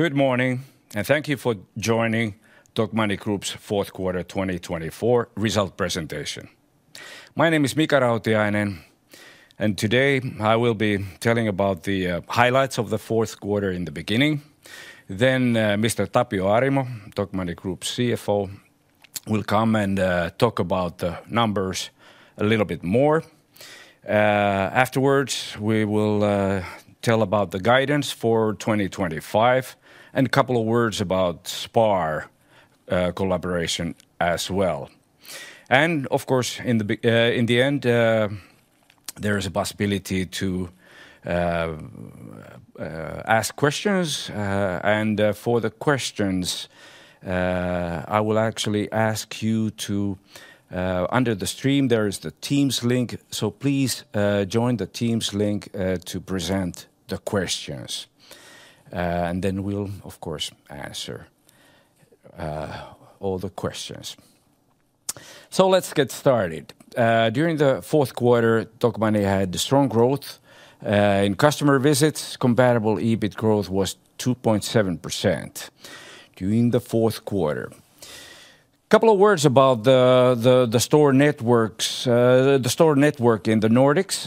Good morning, and thank you for joining Tokmanni Group's Fourth Quarter 2024 Result Presentation. My name is Mika Rautiainen, and today I will be telling about the highlights of the fourth quarter in the beginning. Then Mr. Tapio Arimo, Tokmanni Group CFO, will come and talk about the numbers a little bit more. Afterwards, we will tell about the guidance for 2025 and a couple of words about SPAR collaboration as well. Of course, in the end, there is a possibility to ask questions. For the questions, I will actually ask you to, under the stream, there is the Teams link, so please join the Teams link to present the questions. Then we'll, of course, answer all the questions. Let's get started. During the fourth quarter, Tokmanni had strong growth in customer visits. Comparable EBIT growth was 2.7% during the fourth quarter. A couple of words about the store networks. The store network in the Nordics,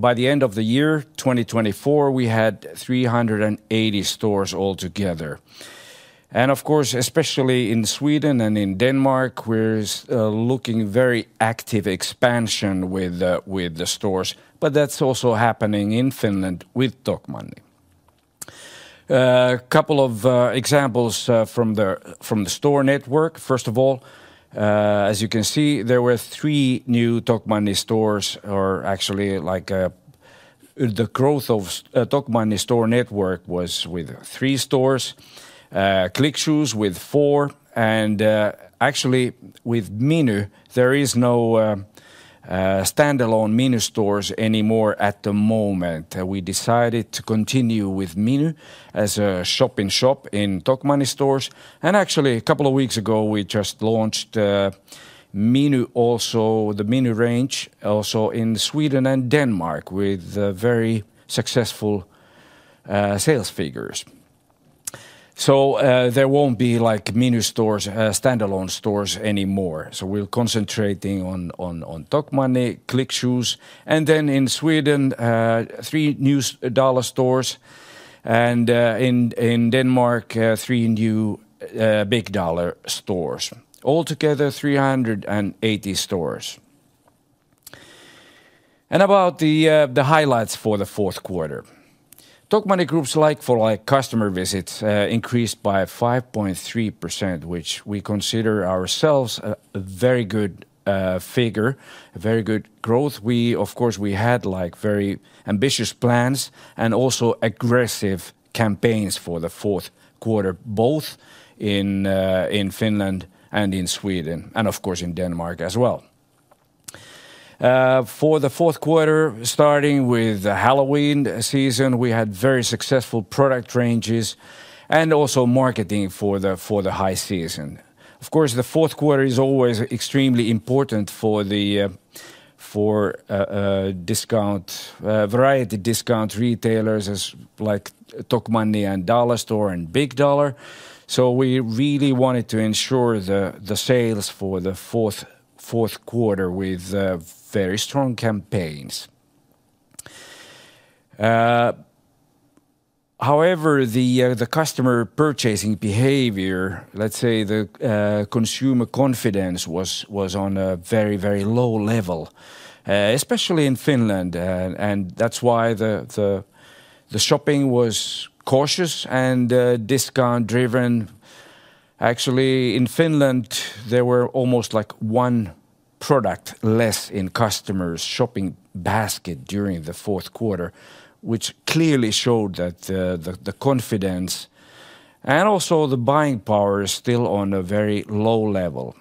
by the end of the year 2024, we had 380 stores altogether. Of course, especially in Sweden and in Denmark, we're looking at very active expansion with the stores, but that's also happening in Finland with Tokmanni. A couple of examples from the store network. First of all, as you can see, there were three new Tokmanni stores, or actually like the growth of Tokmanni store network was with three stores, Click Shoes with four, and actually with Miny, there are no standalone Miny stores anymore at the moment. We decided to continue with Miny as a shop-in-shop in Tokmanni stores. Actually, a couple of weeks ago, we just launched Miny also, the Miny range also in Sweden and Denmark with very successful sales figures. There will not be like Miny stores, standalone stores anymore. We are concentrating on Tokmanni, Click Shoes, and then in Sweden, three new Dollarstore stores, and in Denmark, three new Big Dollarstores. Altogether, 380 stores. About the highlights for the fourth quarter, Tokmanni Group's like-for-like customer visits increased by 5.3%, which we consider a very good figure, a very good growth. We had very ambitious plans and also aggressive campaigns for the fourth quarter, both in Finland and in Sweden, and in Denmark as well. For the fourth quarter, starting with the Halloween season, we had very successful product ranges and also marketing for the high season. The fourth quarter is always extremely important for discount, variety discount retailers like Tokmanni and Dollarstore and Big Dollar. We really wanted to ensure the sales for the fourth quarter with very strong campaigns. However, the customer purchasing behavior, let's say the consumer confidence was on a very, very low level, especially in Finland. That's why the shopping was cautious and discount-driven. Actually, in Finland, there were almost like one product less in customers' shopping basket during the fourth quarter, which clearly showed that the confidence and also the buying power is still on a very low level.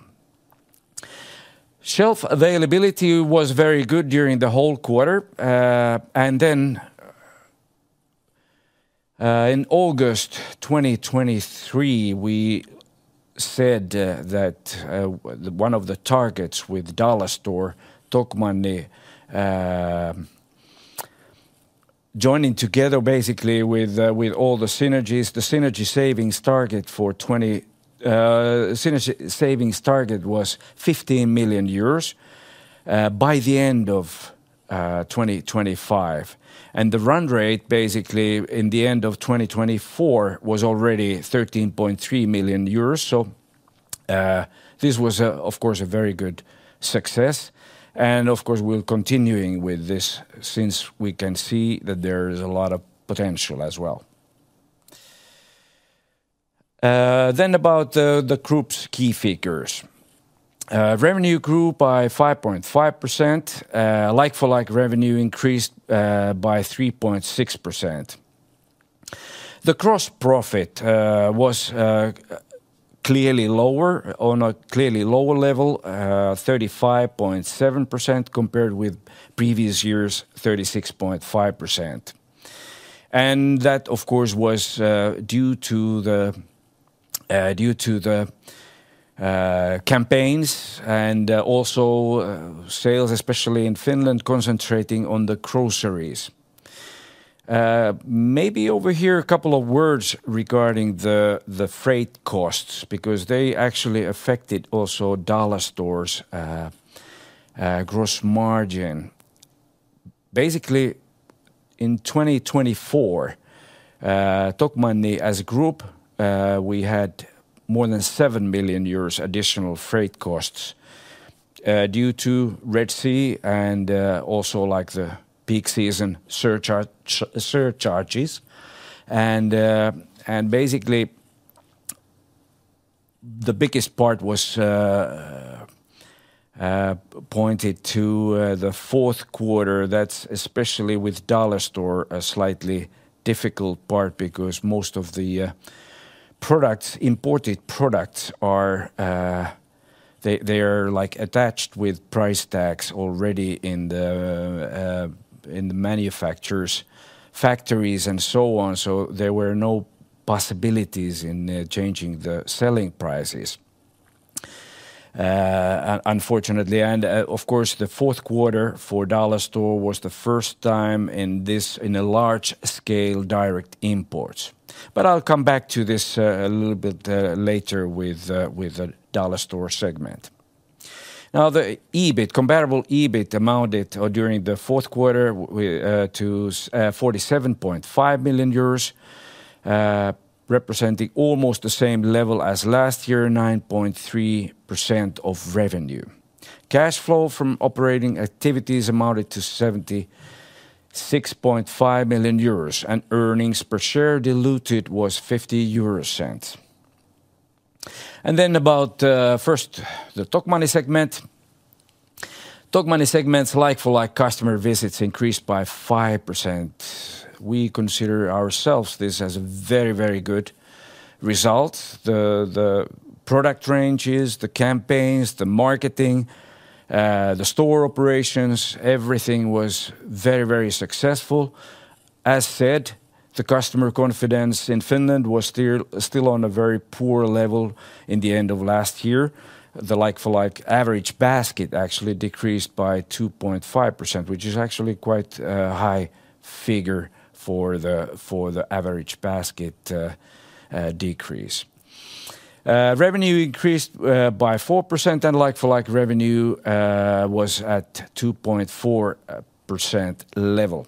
Shelf availability was very good during the whole quarter. In August 2023, we said that one of the targets with Dollarstore, Tokmanni, joining together basically with all the synergies, the synergy savings target for 2025 was 15 million euros by the end of 2025. The run rate basically in the end of 2024 was already 13.3 million euros. This was, of course, a very good success. Of course, we're continuing with this since we can see that there is a lot of potential as well. About the group's key figures, revenue grew by 5.5%. Like-for-like revenue increased by 3.6%. The gross profit was clearly lower on a clearly lower level, 35.7% compared with previous years, 36.5%. That, of course, was due to the campaigns and also sales, especially in Finland, concentrating on the groceries. Maybe over here, a couple of words regarding the freight costs, because they actually affected also Dollarstore's gross margin. Basically, in 2024, Tokmanni as a group, we had more than 7 million euros additional freight costs due to Red Sea and also like the peak season surcharges. Basically, the biggest part was pointed to the fourth quarter. That's especially with Dollarstore, a slightly difficult part because most of the products, imported products, they are like attached with price tags already in the manufacturers, factories, and so on. There were no possibilities in changing the selling prices, unfortunately. Of course, the fourth quarter for Dollarstore was the first time in this in a large scale direct imports. I'll come back to this a little bit later with the Dollarstore segment. Now the EBIT, comparable EBIT amounted during the fourth quarter to 47.5 million euros, representing almost the same level as last year, 9.3% of revenue. Cash flow from operating activities amounted to 76.5 million euros, and earnings per share diluted was 0.50. About first the Tokmanni segment. Tokmanni segment's like-for-like customer visits increased by 5%. We consider ourselves this as a very, very good result. The product ranges, the campaigns, the marketing, the store operations, everything was very, very successful. As said, the customer confidence in Finland was still on a very poor level in the end of last year. The like-for-like average basket actually decreased by 2.5%, which is actually quite a high figure for the average basket decrease. Revenue increased by 4%, and like-for-like revenue was at 2.4% level.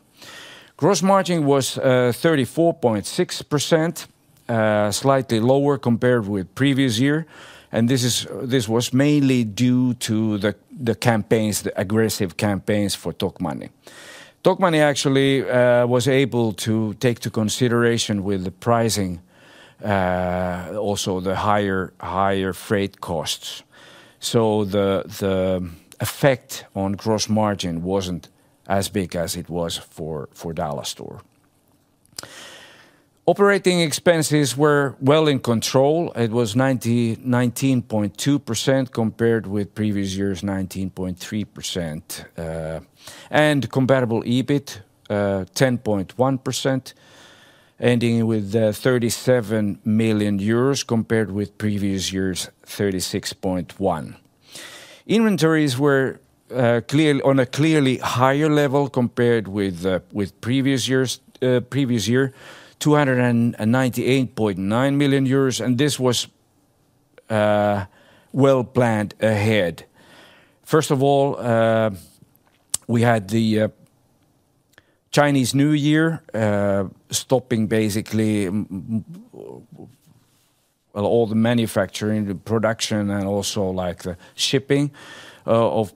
Gross margin was 34.6%, slightly lower compared with previous year. This was mainly due to the campaigns, the aggressive campaigns for Tokmanni. Tokmanni actually was able to take into consideration with the pricing, also the higher freight costs. The effect on gross margin was not as big as it was for Dollarstore. Operating expenses were well in control. It was 19.2% compared with previous year's 19.3%. Comparable EBIT, 10.1%, ending with 37 million euros compared with previous year's 36.1 million. Inventories were on a clearly higher level compared with previous year, 298.9 million euros, and this was well planned ahead. First of all, we had the Chinese New Year stopping basically all the manufacturing, the production, and also like the shipping of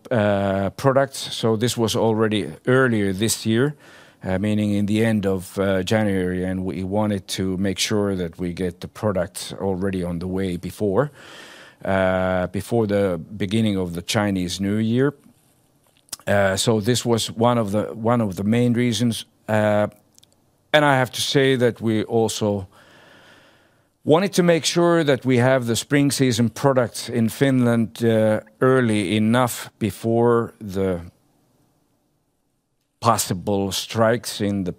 products. This was already earlier this year, meaning in the end of January, and we wanted to make sure that we get the products already on the way before the beginning of the Chinese New Year. This was one of the main reasons. I have to say that we also wanted to make sure that we have the spring season products in Finland early enough before the possible strikes in the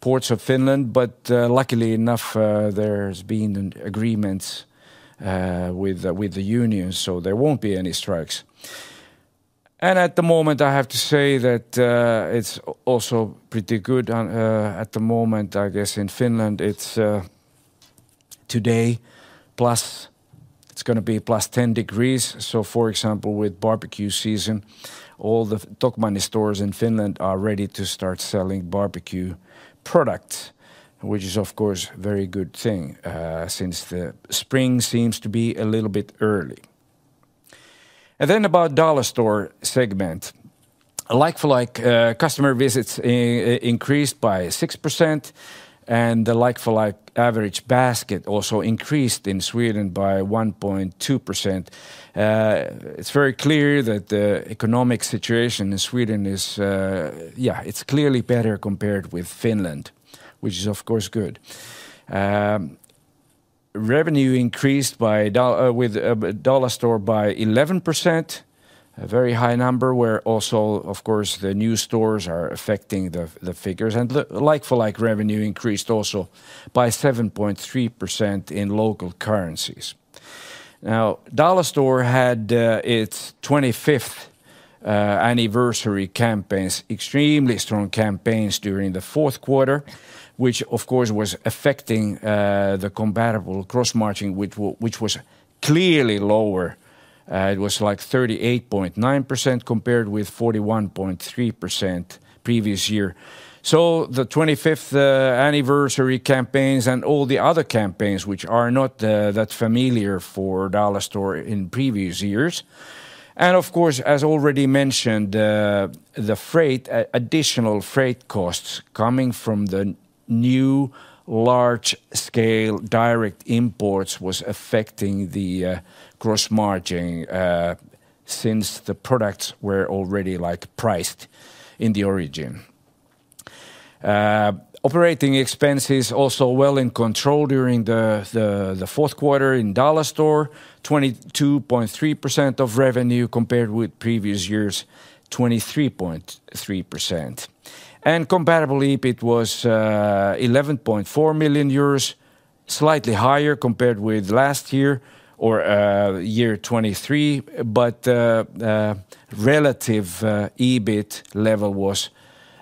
ports of Finland. Luckily enough, there's been agreements with the union, so there won't be any strikes. At the moment, I have to say that it's also pretty good at the moment. I guess in Finland, it's today plus it's going to be +10 degrees. For example, with barbecue season, all the Tokmanni stores in Finland are ready to start selling barbecue products, which is of course a very good thing since the spring seems to be a little bit early. About Dollarstore segment, like-for-like customer visits increased by 6%, and the like-for-like average basket also increased in Sweden by 1.2%. It's very clear that the economic situation in Sweden is, yeah, it's clearly better compared with Finland, which is of course good. Revenue increased by Dollarstore by 11%, a very high number, where also of course the new stores are affecting the figures. Like-for-like revenue increased also by 7.3% in local currencies. Now Dollarstore had its 25th anniversary campaigns, extremely strong campaigns during the fourth quarter, which of course was affecting the comparable gross margin, which was clearly lower. It was like 38.9% compared with 41.3% previous year. The 25th anniversary campaigns and all the other campaigns, which are not that familiar for Dollarstore in previous years. Of course, as already mentioned, the freight, additional freight costs coming from the new large scale direct imports was affecting the gross margin since the products were already like priced in the origin. Operating expenses also well in control during the fourth quarter in Dollarstore, 22.3% of revenue compared with previous years, 23.3%. Comparable EBIT was 11.4 million euros, slightly higher compared with last year or year 2023, but relative EBIT level was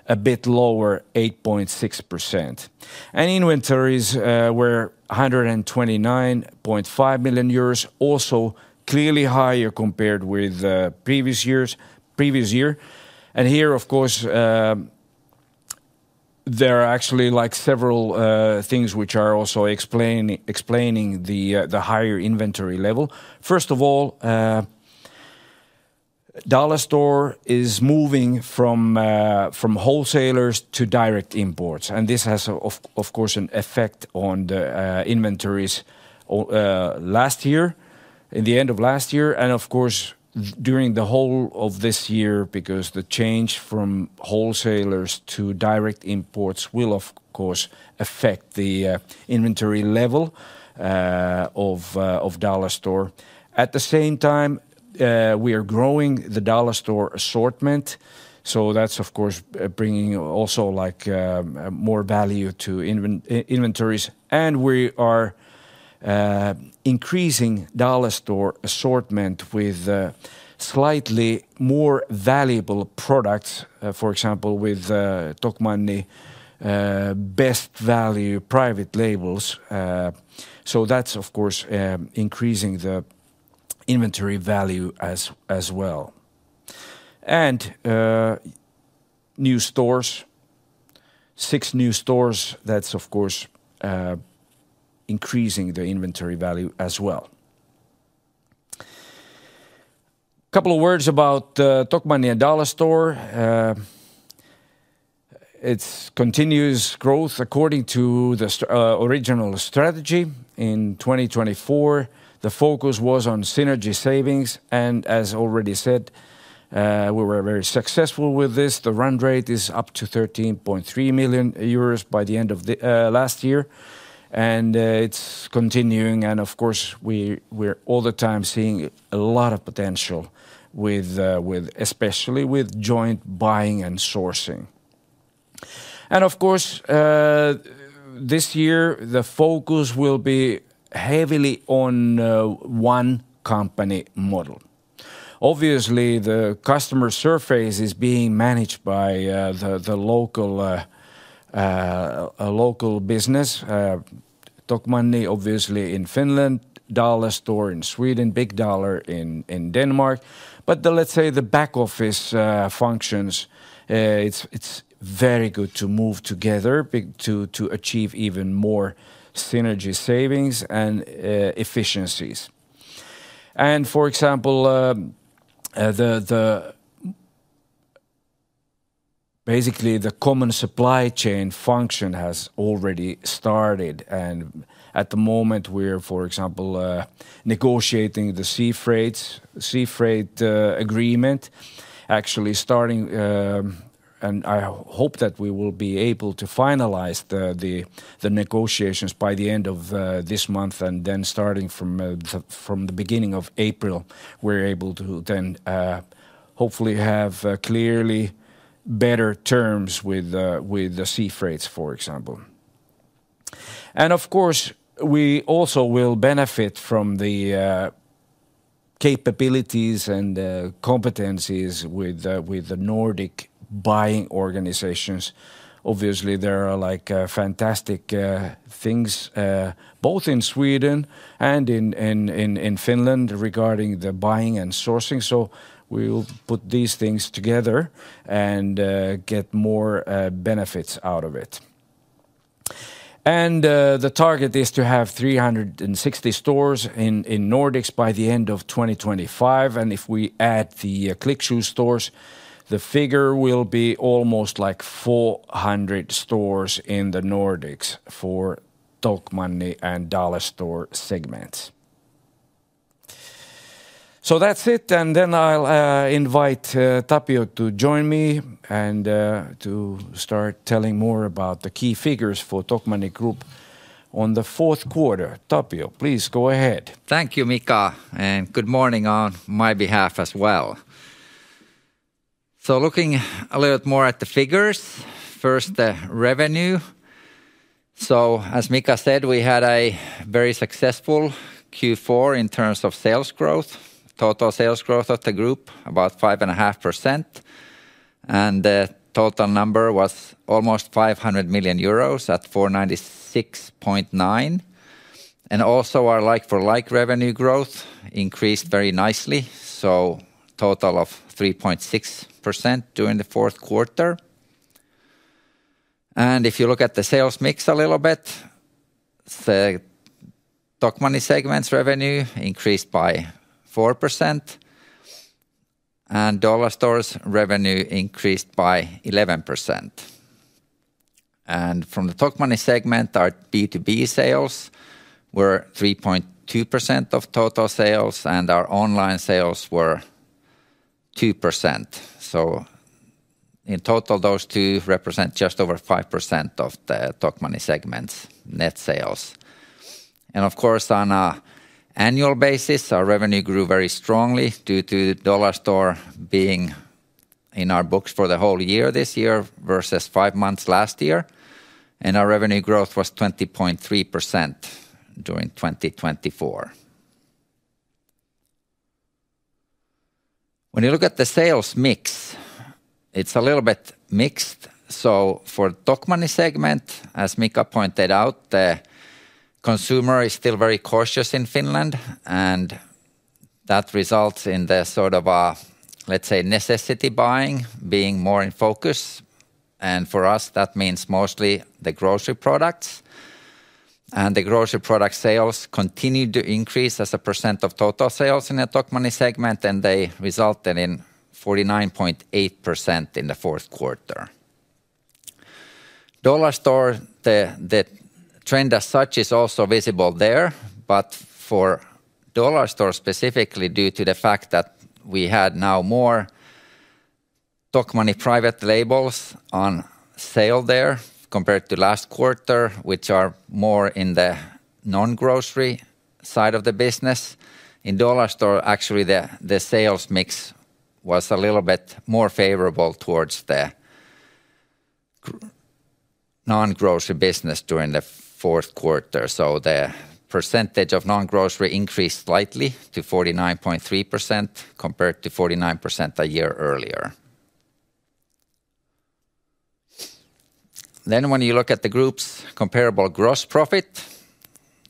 a bit lower, 8.6%. Inventories were 129.5 million euros, also clearly higher compared with previous years. There are actually several things which are also explaining the higher inventory level. First of all, Dollarstore is moving from wholesalers to direct imports. This has an effect on the inventories at the end of last year and during the whole of this year because the change from wholesalers to direct imports will affect the inventory level of Dollarstore. At the same time, we are growing the Dollarstore assortment. That is bringing also more value to inventories. We are increasing Dollarstore assortment with slightly more valuable products, for example with Tokmanni Best Value Private Labels. That is increasing the inventory value as well. New stores, six new stores, that is of course increasing the inventory value as well. A couple of words about Tokmanni and Dollarstore. It is continuous growth according to the original strategy. In 2024, the focus was on synergy savings. As already said, we were very successful with this. The run rate is up to 13.3 million euros by the end of last year. It is continuing. Of course, we are all the time seeing a lot of potential, especially with joint buying and sourcing. This year the focus will be heavily on one company model. Obviously, the customer surface is being managed by the local business, Tokmanni obviously in Finland, Dollarstore in Sweden, Big Dollar in Denmark. Let us say the back office functions, it is very good to move together to achieve even more synergy savings and efficiencies. For example, basically the common supply chain function has already started. At the moment we're, for example, negotiating the sea freight agreement, actually starting. I hope that we will be able to finalize the negotiations by the end of this month. Starting from the beginning of April, we're able to then hopefully have clearly better terms with the sea freights, for example. Of course, we also will benefit from the capabilities and competencies with the Nordic buying organizations. Obviously, there are like fantastic things both in Sweden and in Finland regarding the buying and sourcing. We will put these things together and get more benefits out of it. The target is to have 360 stores in Nordics by the end of 2025. If we add the Click Shoes stores, the figure will be almost 400 stores in the Nordics for Tokmanni and Dollarstore segments. That is it. I will invite Tapio to join me and to start telling more about the key figures for Tokmanni Group on the fourth quarter. Tapio, please go ahead. Thank you, Mika, and good morning on my behalf as well. Looking a little bit more at the figures, first the revenue. As Mika said, we had a very successful Q4 in terms of sales growth, total sales growth of the group about 5.5%. The total number was almost 500 million euros at 496.9 million. Also, our like-for-like revenue growth increased very nicely, a total of 3.6% during the fourth quarter. If you look at the sales mix a little bit, the Tokmanni segment's revenue increased by 4%. Dollarstore's revenue increased by 11%. From the Tokmanni segment, our B2B sales were 3.2% of total sales and our online sales were 2%. In total, those two represent just over 5% of the Tokmanni segment's net sales. Of course, on an annual basis, our revenue grew very strongly due to Dollarstore being in our books for the whole year this year versus five months last year. Our revenue growth was 20.3% during 2024. When you look at the sales mix, it is a little bit mixed. For the Tokmanni segment, as Mika pointed out, the consumer is still very cautious in Finland. That results in, let's say, necessity buying being more in focus. For us, that means mostly the grocery products. The grocery product sales continued to increase as a percent of total sales in the Tokmanni segment. They resulted in 49.8% in the fourth quarter. Dollarstore, the trend as such is also visible there. For Dollarstore specifically, due to the fact that we had now more Tokmanni private labels on sale there compared to last quarter, which are more in the non-grocery side of the business. In Dollarstore, actually the sales mix was a little bit more favorable towards the non-grocery business during the fourth quarter. The percentage of non-grocery increased slightly to 49.3% compared to 49% a year earlier. When you look at the group's comparable gross profit,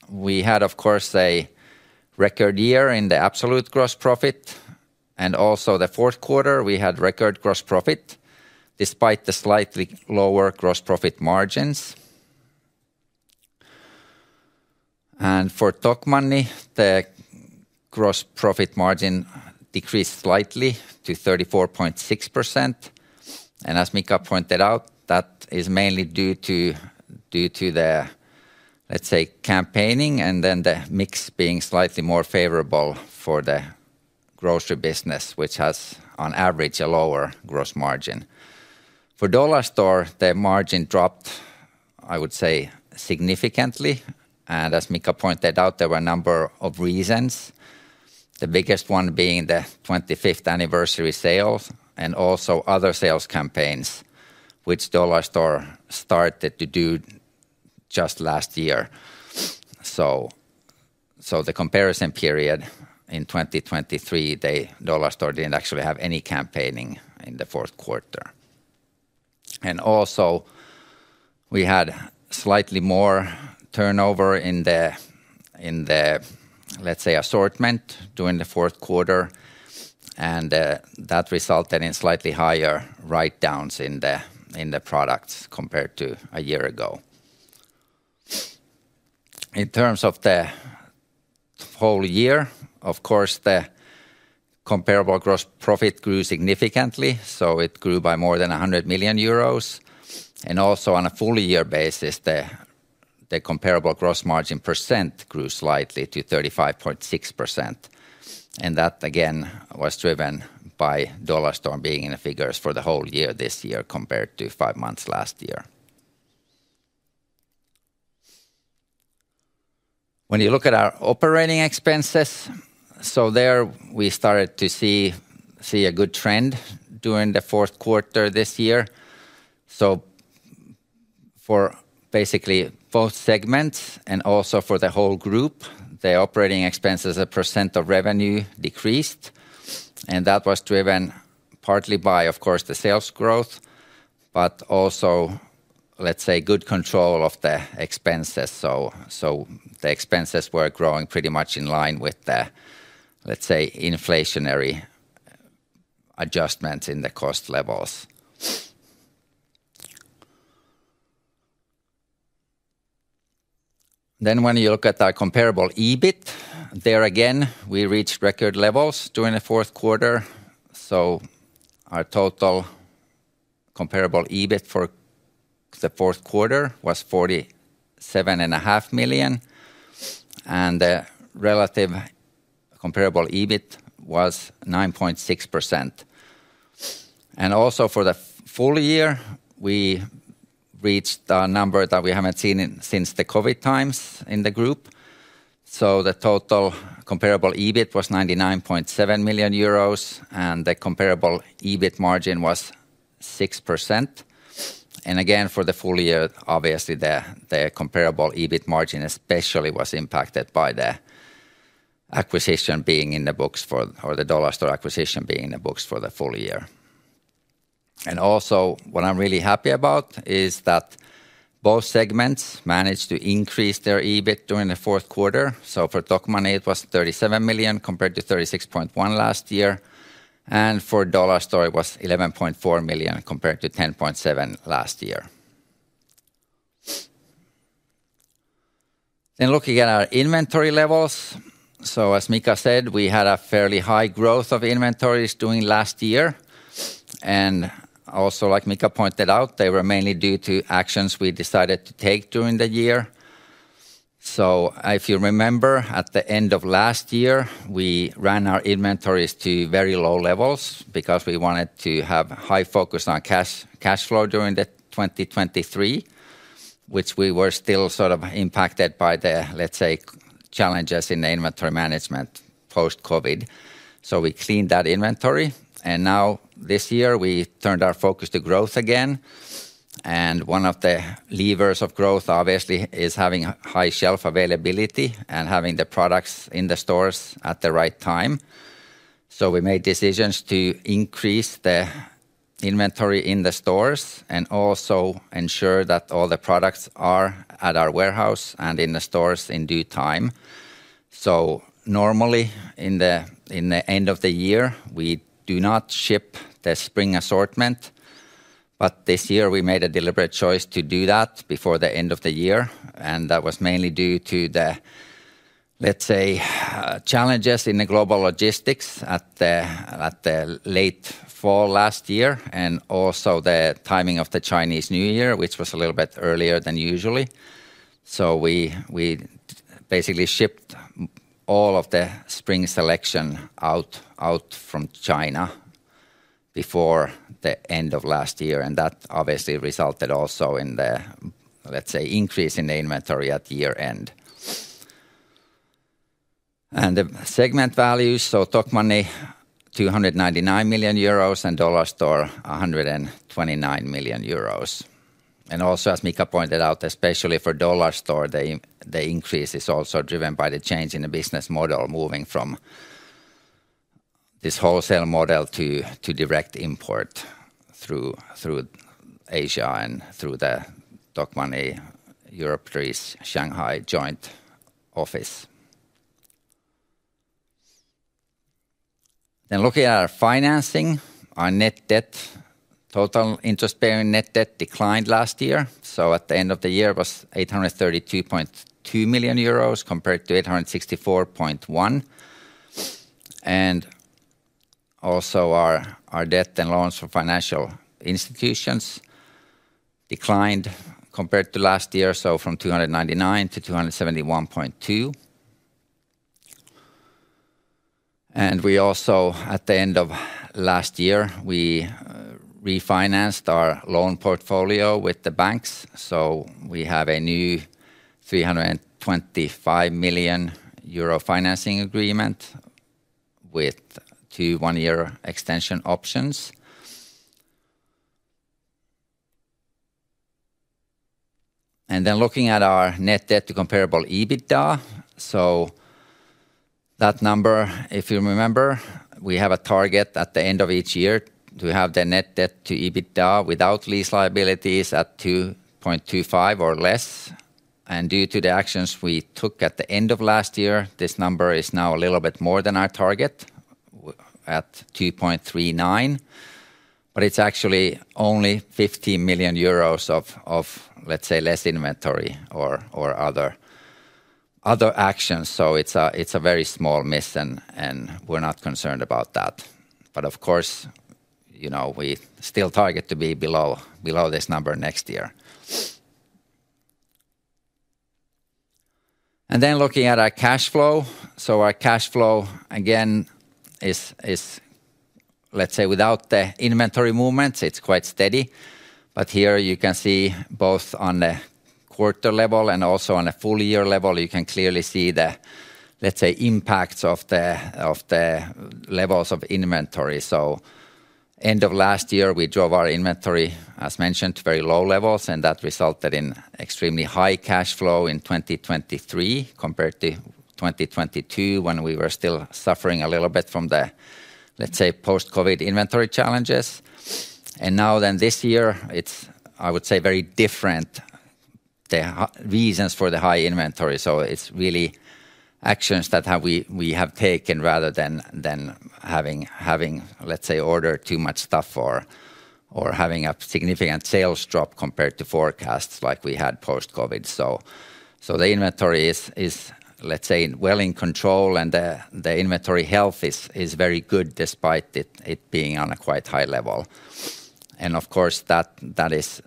we had of course a record year in the absolute gross profit. Also, the fourth quarter, we had record gross profit despite the slightly lower gross profit margins. For Tokmanni, the gross profit margin decreased slightly to 34.6%. As Mika pointed out, that is mainly due to the, let's say, campaigning and then the mix being slightly more favorable for the grocery business, which has on average a lower gross margin. For Dollarstore, the margin dropped, I would say, significantly. As Mika pointed out, there were a number of reasons. The biggest one being the 25th anniversary sales and also other sales campaigns, which Dollarstore started to do just last year. The comparison period in 2023, Dollarstore did not actually have any campaigning in the fourth quarter. Also, we had slightly more turnover in the, let's say, assortment during the fourth quarter. That resulted in slightly higher write-downs in the products compared to a year ago. In terms of the whole year, of course, the comparable gross profit grew significantly. It grew by more than 100 million euros. Also, on a full year basis, the comparable gross margin percent grew slightly to 35.6%. That again was driven by Dollarstore being in the figures for the whole year this year compared to five months last year. When you look at our operating expenses, we started to see a good trend during the fourth quarter this year. For basically both segments and also for the whole group, the operating expenses as a % of revenue decreased. That was driven partly by, of course, the sales growth, but also, let's say, good control of the expenses. The expenses were growing pretty much in line with the, let's say, inflationary adjustments in the cost levels. When you look at our comparable EBIT, there again we reached record levels during the fourth quarter. Our total comparable EBIT for the fourth quarter was 47.5 million. The relative comparable EBIT was 9.6%. Also for the full year, we reached a number that we have not seen since the COVID times in the group. The total comparable EBIT was 99.7 million euros and the comparable EBIT margin was 6%. For the full year, obviously the comparable EBIT margin especially was impacted by the acquisition being in the books for, or the Dollarstore acquisition being in the books for the full year. What I am really happy about is that both segments managed to increase their EBIT during the fourth quarter. For Tokmanni, it was 37 million compared to 36.1 million last year. For Dollarstore, it was 11.4 million compared to 10.7 million last year. Looking at our inventory levels. As Mika said, we had a fairly high growth of inventories during last year. Also, like Mika pointed out, they were mainly due to actions we decided to take during the year. If you remember, at the end of last year, we ran our inventories to very low levels because we wanted to have high focus on cash flow during 2023, which we were still sort of impacted by the, let's say, challenges in the inventory management post-COVID. We cleaned that inventory. Now this year, we turned our focus to growth again. One of the levers of growth, obviously, is having high shelf availability and having the products in the stores at the right time. We made decisions to increase the inventory in the stores and also ensure that all the products are at our warehouse and in the stores in due time. Normally in the end of the year, we do not ship the spring assortment. This year, we made a deliberate choice to do that before the end of the year. That was mainly due to the, let's say, challenges in the global logistics at the late fall last year and also the timing of the Chinese New Year, which was a little bit earlier than usually. We basically shipped all of the spring selection out from China before the end of last year. That obviously resulted also in the, let's say, increase in the inventory at year end. The segment values, so Tokmanni 299 million euros and Dollarstore 129 million euros. Also, as Mika pointed out, especially for Dollarstore, the increase is also driven by the change in the business model moving from this wholesale model to direct import through Asia and through the Tokmanni Europris Shanghai Joint Office. Looking at our financing, our net debt, total interest-bearing net debt declined last year. At the end of the year, it was 832.2 million euros compared to 864.1 million. Also, our debt and loans for financial institutions declined compared to last year, from 299 million-271.2 million. At the end of last year, we refinanced our loan portfolio with the banks. We have a new 325 million euro financing agreement with two one-year extension options. Looking at our net debt to comparable EBITDA, that number, if you remember, we have a target at the end of each year to have the net debt to EBITDA without lease liabilities at 2.25 or less. Due to the actions we took at the end of last year, this number is now a little bit more than our target at 2.39. It is actually only 15 million euros of, let's say, less inventory or other actions. It is a very small miss and we are not concerned about that. Of course, we still target to be below this number next year. Looking at our cash flow, our cash flow again is, let's say, without the inventory movements, quite steady. Here you can see both on the quarter level and also on the full year level, you can clearly see the, let's say, impacts of the levels of inventory. End of last year, we drove our inventory, as mentioned, to very low levels. That resulted in extremely high cash flow in 2023 compared to 2022 when we were still suffering a little bit from the, let's say, post-COVID inventory challenges. Now this year, it's, I would say, very different reasons for the high inventory. It's really actions that we have taken rather than having, let's say, ordered too much stuff or having a significant sales drop compared to forecasts like we had post-COVID. The inventory is, let's say, well in control and the inventory health is very good despite it being on a quite high level. Of course, that is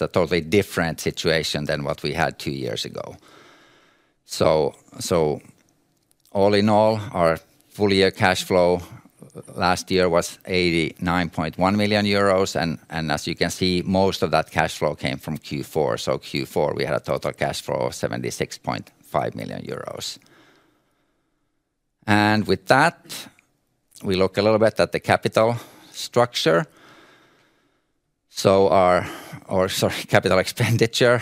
a totally different situation than what we had two years ago. All in all, our full year cash flow last year was 89.1 million euros. As you can see, most of that cash flow came from Q4. Q4, we had a total cash flow of 76.5 million euros. With that, we look a little bit at the capital structure. Sorry, capital expenditure.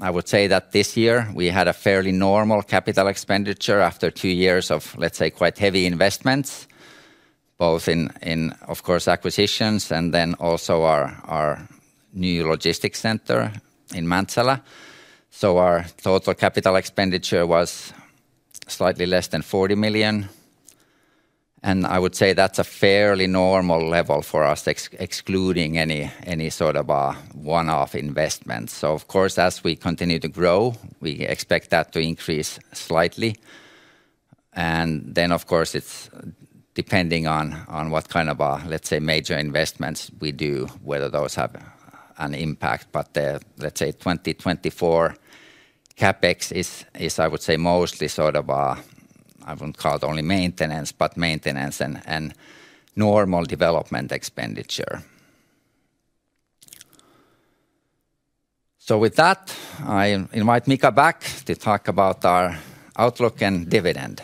I would say that this year we had a fairly normal capital expenditure after two years of, let's say, quite heavy investments, both in acquisitions and also our new logistics center in Mäntsälä. Our total capital expenditure was slightly less than 40 million. I would say that's a fairly normal level for us excluding any sort of one-off investments. Of course, as we continue to grow, we expect that to increase slightly. It is depending on what kind of, let's say, major investments we do, whether those have an impact. The 2024 CapEx is, I would say, mostly sort of, I would not call it only maintenance, but maintenance and normal development expenditure. With that, I invite Mika back to talk about our outlook and dividend.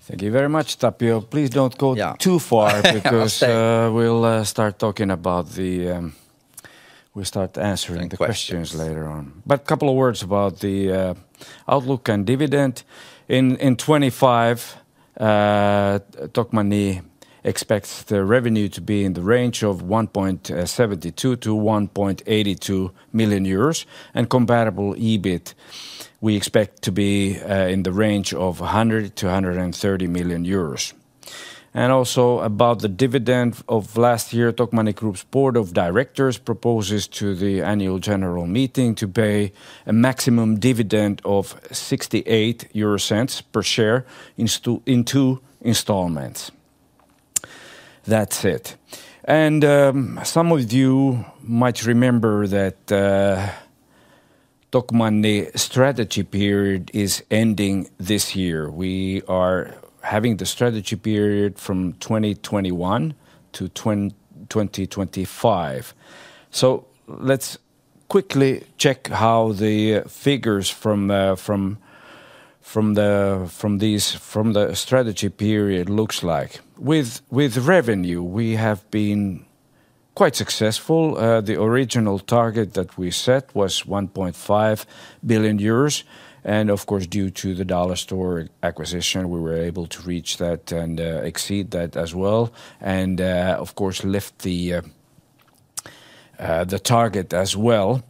Thank you very much, Tapio. Please do not go too far because we will start talking about the, we will start answering the questions later on. A couple of words about the outlook and dividend. In 2025, Tokmanni expects the revenue to be in the range of 1.72 billion-1.82 billion euros. Comparable EBIT, we expect to be in the range of 100 million-130 million euros. Also about the dividend of last year, Tokmanni Group's board of directors proposes to the annual general meeting to pay a maximum dividend of 0.68 per share in two installments. That is it. Some of you might remember that Tokmanni strategy period is ending this year. We are having the strategy period from 2021 to 2025. Let us quickly check how the figures from the strategy period look like. With revenue, we have been quite successful. The original target that we set was 1.5 billion euros. Of course, due to the Dollarstore acquisition, we were able to reach that and exceed that as well. Of course, we lifted the target as well.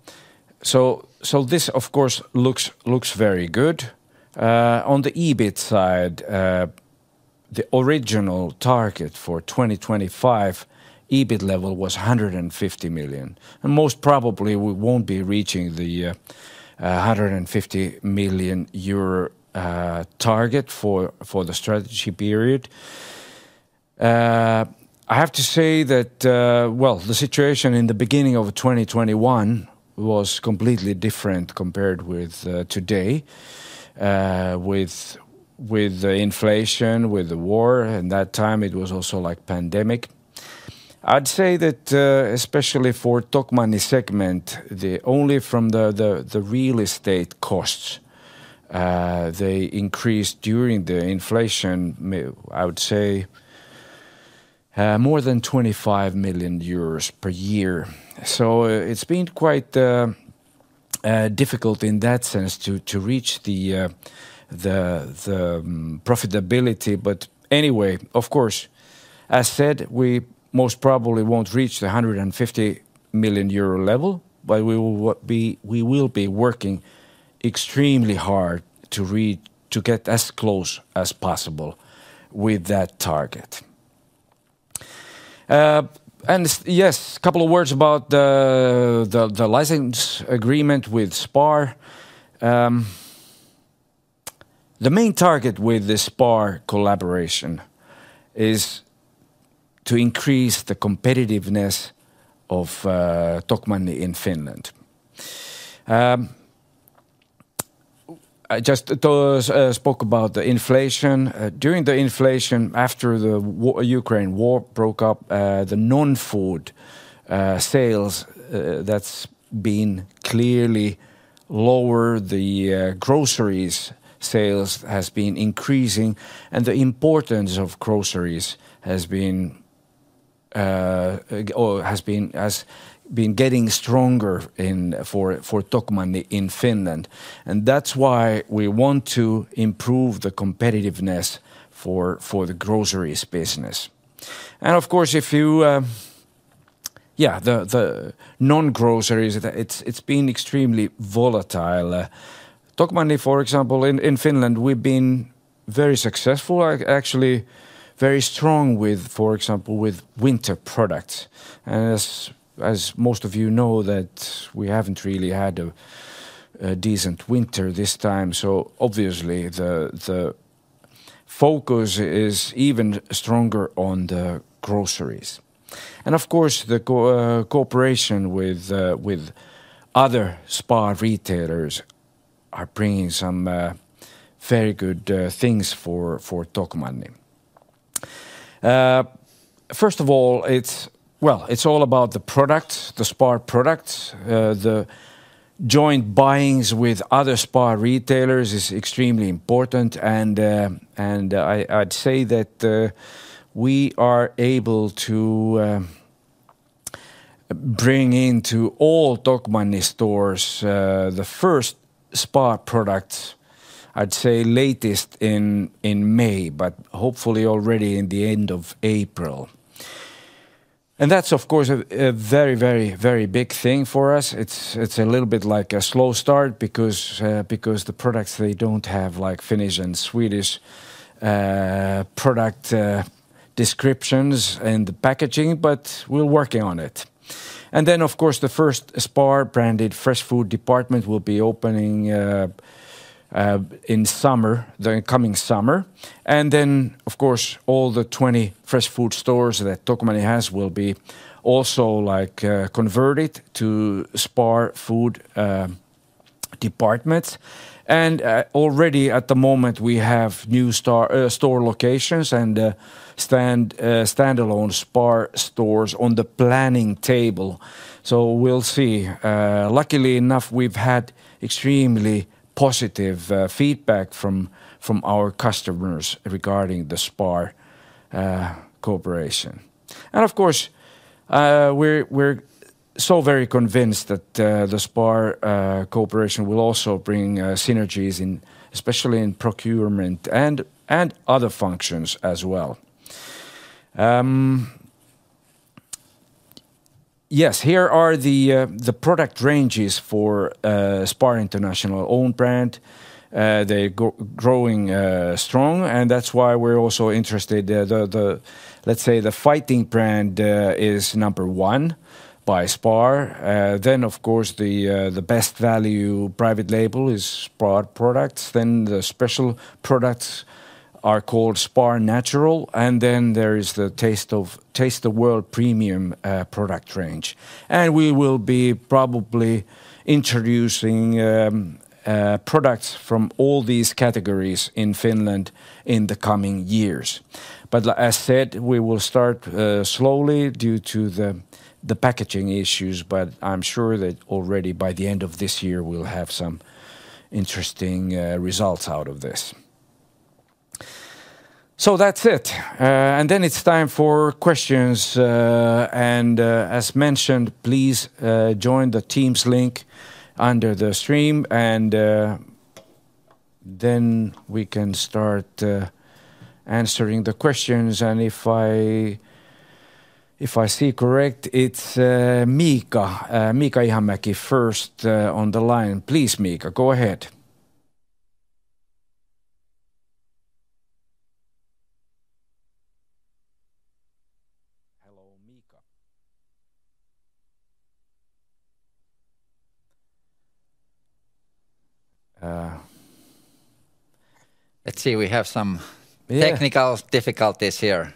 This, of course, looks very good. On the EBIT side, the original target for 2025 EBIT level was 150 million. Most probably, we won't be reaching the 150 million euro target for the strategy period. I have to say that, the situation in the beginning of 2021 was completely different compared with today, with inflation, with the war. At that time, it was also like pandemic. I'd say that especially for the Tokmanni segment, only from the real estate costs, they increased during the inflation, I would say, more than 25 million euros per year. It has been quite difficult in that sense to reach the profitability. Of course, as said, we most probably won't reach the 150 million euro level, but we will be working extremely hard to get as close as possible with that target. Yes, a couple of words about the license agreement with SPAR. The main target with the SPAR collaboration is to increase the competitiveness of Tokmanni in Finland. I just spoke about the inflation. During the inflation, after the Ukraine war broke out, the non-food sales have been clearly lower, the groceries sales have been increasing. The importance of groceries has been getting stronger for Tokmanni in Finland. That is why we want to improve the competitiveness for the groceries business. Of course, the non-groceries have been extremely volatile. Tokmanni, for example, in Finland, we have been very successful, actually very strong, for example, with winter products. As most of you know, we have not really had a decent winter this time. Obviously, the focus is even stronger on the groceries. The cooperation with other SPAR retailers is bringing some very good things for Tokmanni. First of all, it is all about the products, the SPAR products. The joint buyings with other SPAR retailers is extremely important. I'd say that we are able to bring into all Tokmanni stores the first SPAR products, I'd say latest in May, but hopefully already in the end of April. That's, of course, a very, very, very big thing for us. It's a little bit like a slow start because the products, they don't have like Finnish and Swedish product descriptions and the packaging, but we're working on it. Of course, the first SPAR branded fresh food department will be opening in summer, the coming summer. Of course, all the 20 fresh food stores that Tokmanni has will be also like converted to SPAR food departments. Already at the moment, we have new store locations and standalone SPAR stores on the planning table. We'll see. Luckily enough, we've had extremely positive feedback from our customers regarding the SPAR cooperation. Of course, we're so very convinced that the SPAR cooperation will also bring synergies in, especially in procurement and other functions as well. Yes, here are the product ranges for SPAR International own brand. They're growing strong. That's why we're also interested. Let's say the fighting brand is number one by SPAR. Then, of course, the best value private label is SPAR products. The special products are called SPAR Natural. There is the Taste of World Premium product range. We will be probably introducing products from all these categories in Finland in the coming years. As said, we will start slowly due to the packaging issues. I'm sure that already by the end of this year, we'll have some interesting results out of this. That's it. It's time for questions. As mentioned, please join the Teams link under the stream. We can start answering the questions. If I see correctly, it's Mikko, Mikko Ihamäki first on the line. Please, Mikko, go ahead. Hello, Mikko. Let's see, we have some technical difficulties here.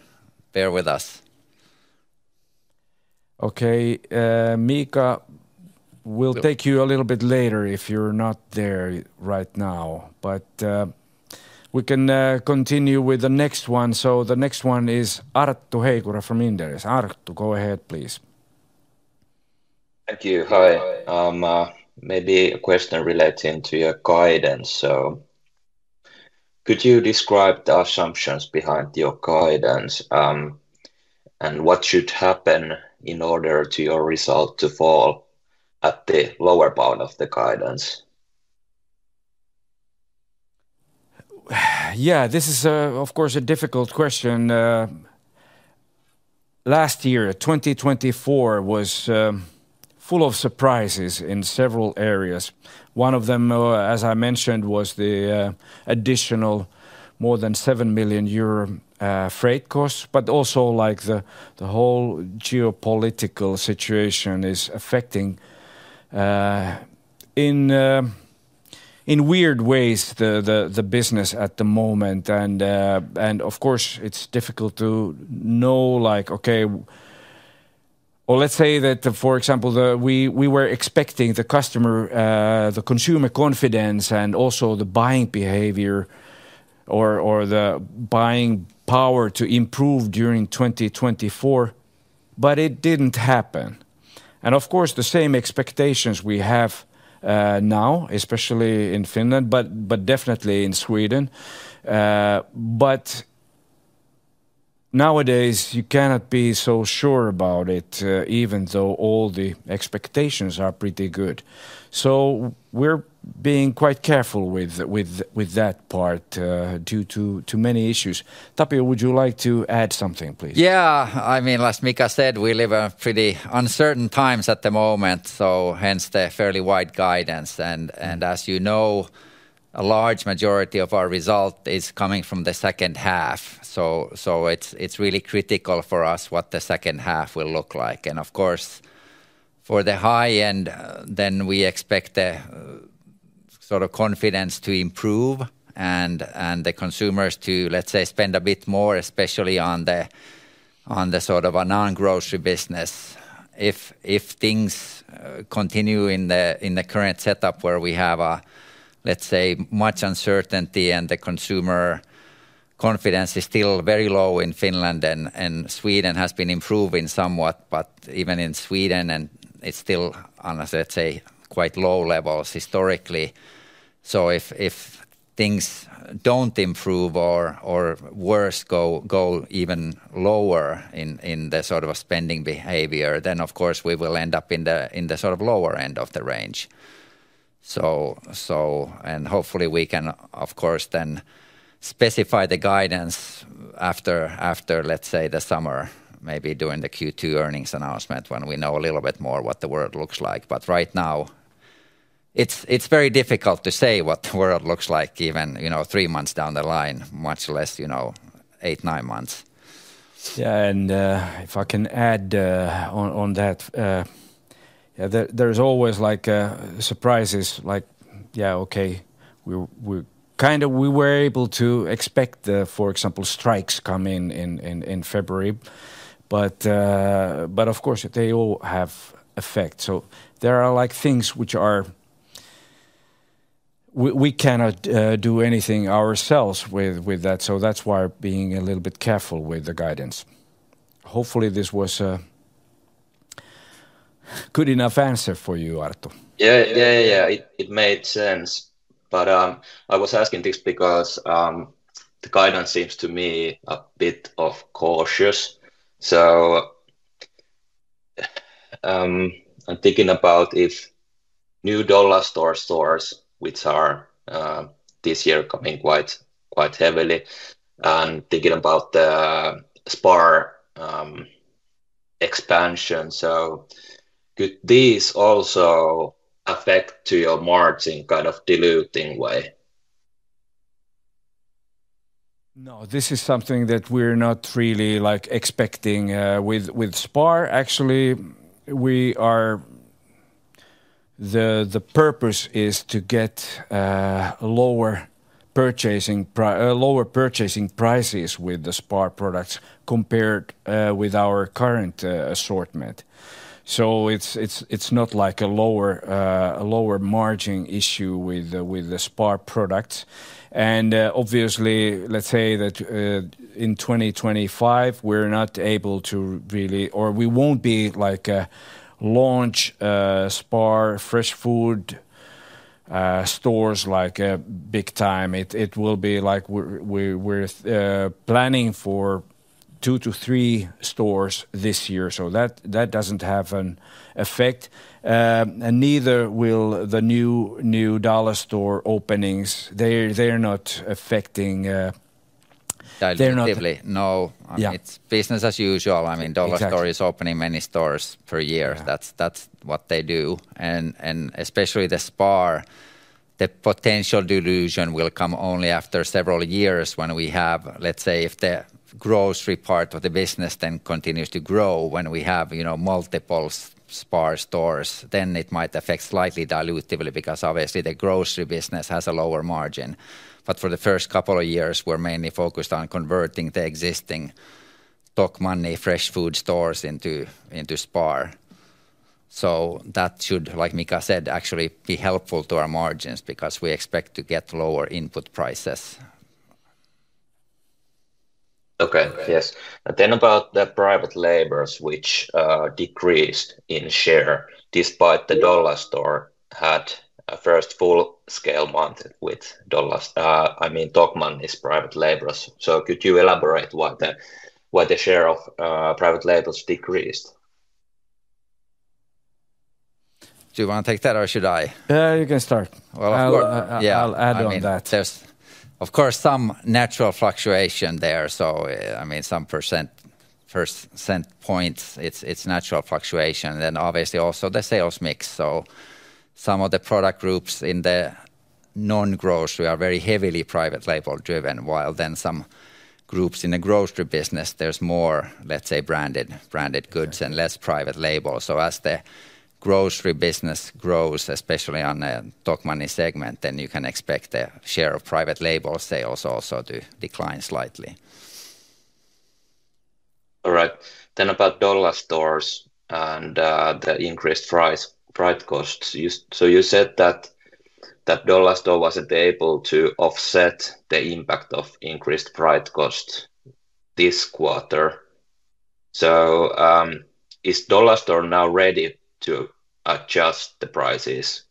Bear with us. Mikko, we'll take you a little bit later if you're not there right now. We can continue with the next one. The next one is Arttu Heikura from Inderes. Arttu, go ahead, please. Thank you. Hi. Maybe a question relating to your guidance. Could you describe the assumptions behind your guidance and what should happen in order for your result to fall at the lower part of the guidance? Yeah, this is, of course, a difficult question. Last year, 2024, was full of surprises in several areas. One of them, as I mentioned, was the additional more than 7 million euro freight costs, but also like the whole geopolitical situation is affecting in weird ways the business at the moment. Of course, it's difficult to know like, okay, or let's say that, for example, we were expecting the customer, the consumer confidence and also the buying behavior or the buying power to improve during 2024, but it didn't happen. Of course, the same expectations we have now, especially in Finland, but definitely in Sweden. Nowadays, you cannot be so sure about it, even though all the expectations are pretty good. We are being quite careful with that part due to many issues. Tapio, would you like to add something, please? Yeah, I mean, as Mika said, we live in pretty uncertain times at the moment. Hence the fairly wide guidance. As you know, a large majority of our result is coming from the second half. It is really critical for us what the second half will look like. Of course, for the high end, we expect the sort of confidence to improve and the consumers to, let's say, spend a bit more, especially on the sort of non-grocery business. If things continue in the current setup where we have, let's say, much uncertainty and the consumer confidence is still very low in Finland and Sweden has been improving somewhat, but even in Sweden, it is still, let's say, quite low levels historically. If things do not improve or worse go even lower in the sort of spending behavior, we will end up in the sort of lower end of the range. Hopefully, we can, of course, then specify the guidance after, let's say, the summer, maybe during the Q2 earnings announcement when we know a little bit more what the world looks like. Right now, it's very difficult to say what the world looks like even three months down the line, much less eight, nine months. Yeah, if I can add on that, there's always like surprises. Like, yeah, okay, we kind of were able to expect, for example, strikes come in February. Of course, they all have effect. There are like things which are we cannot do anything ourselves with that. That's why being a little bit careful with the guidance. Hopefully, this was a good enough answer for you, Arttu. Yeah, yeah, yeah, it made sense. I was asking this because the guidance seems to me a bit of cautious. I'm thinking about if new Dollarstore stores, which are this year coming quite heavily, and thinking about the SPAR expansion. Could these also affect your margin kind of diluting way? No, this is something that we're not really expecting with SPAR. Actually, the purpose is to get lower purchasing prices with the SPAR products compared with our current assortment. It's not like a lower margin issue with the SPAR products. Obviously, let's say that in 2025, we're not able to really, or we won't be like a launch SPAR fresh food stores like big time. It will be like we're planning for two to three stores this year. That doesn't have an effect. Neither will the new Dollarstore openings. They're not affecting. They're not. No, it's business as usual. I mean, Dollarstore is opening many stores per year. That's what they do. Especially the SPAR, the potential dilution will come only after several years when we have, let's say, if the grocery part of the business then continues to grow when we have multiple SPAR stores, it might affect slightly dilutively because obviously the grocery business has a lower margin. For the first couple of years, we're mainly focused on converting the existing Tokmanni fresh food stores into SPAR. That should, like Mika said, actually be helpful to our margins because we expect to get lower input prices. Okay, yes. About the private labels, which decreased in share despite the Dollarstore had a first full scale month with Dollarstore, I mean, Tokmanni's private labels. Could you elaborate why the share of private labels decreased? Do you want to take that or should I? You can start. I'll add on that. Of course, some natural fluctuation there. I mean, some percent, first cent points, it's natural fluctuation. And then obviously also the sales mix. Some of the product groups in the non-grocery are very heavily private label driven, while then some groups in the grocery business, there's more, let's say, branded goods and less private labels. As the grocery business grows, especially on the Tokmanni segment, you can expect the share of private label sales also to decline slightly. All right. Then about Dollarstore and the increased price costs. You said that Dollarstore wasn't able to offset the impact of increased price costs this quarter. Is Dollarstore now ready to adjust the prices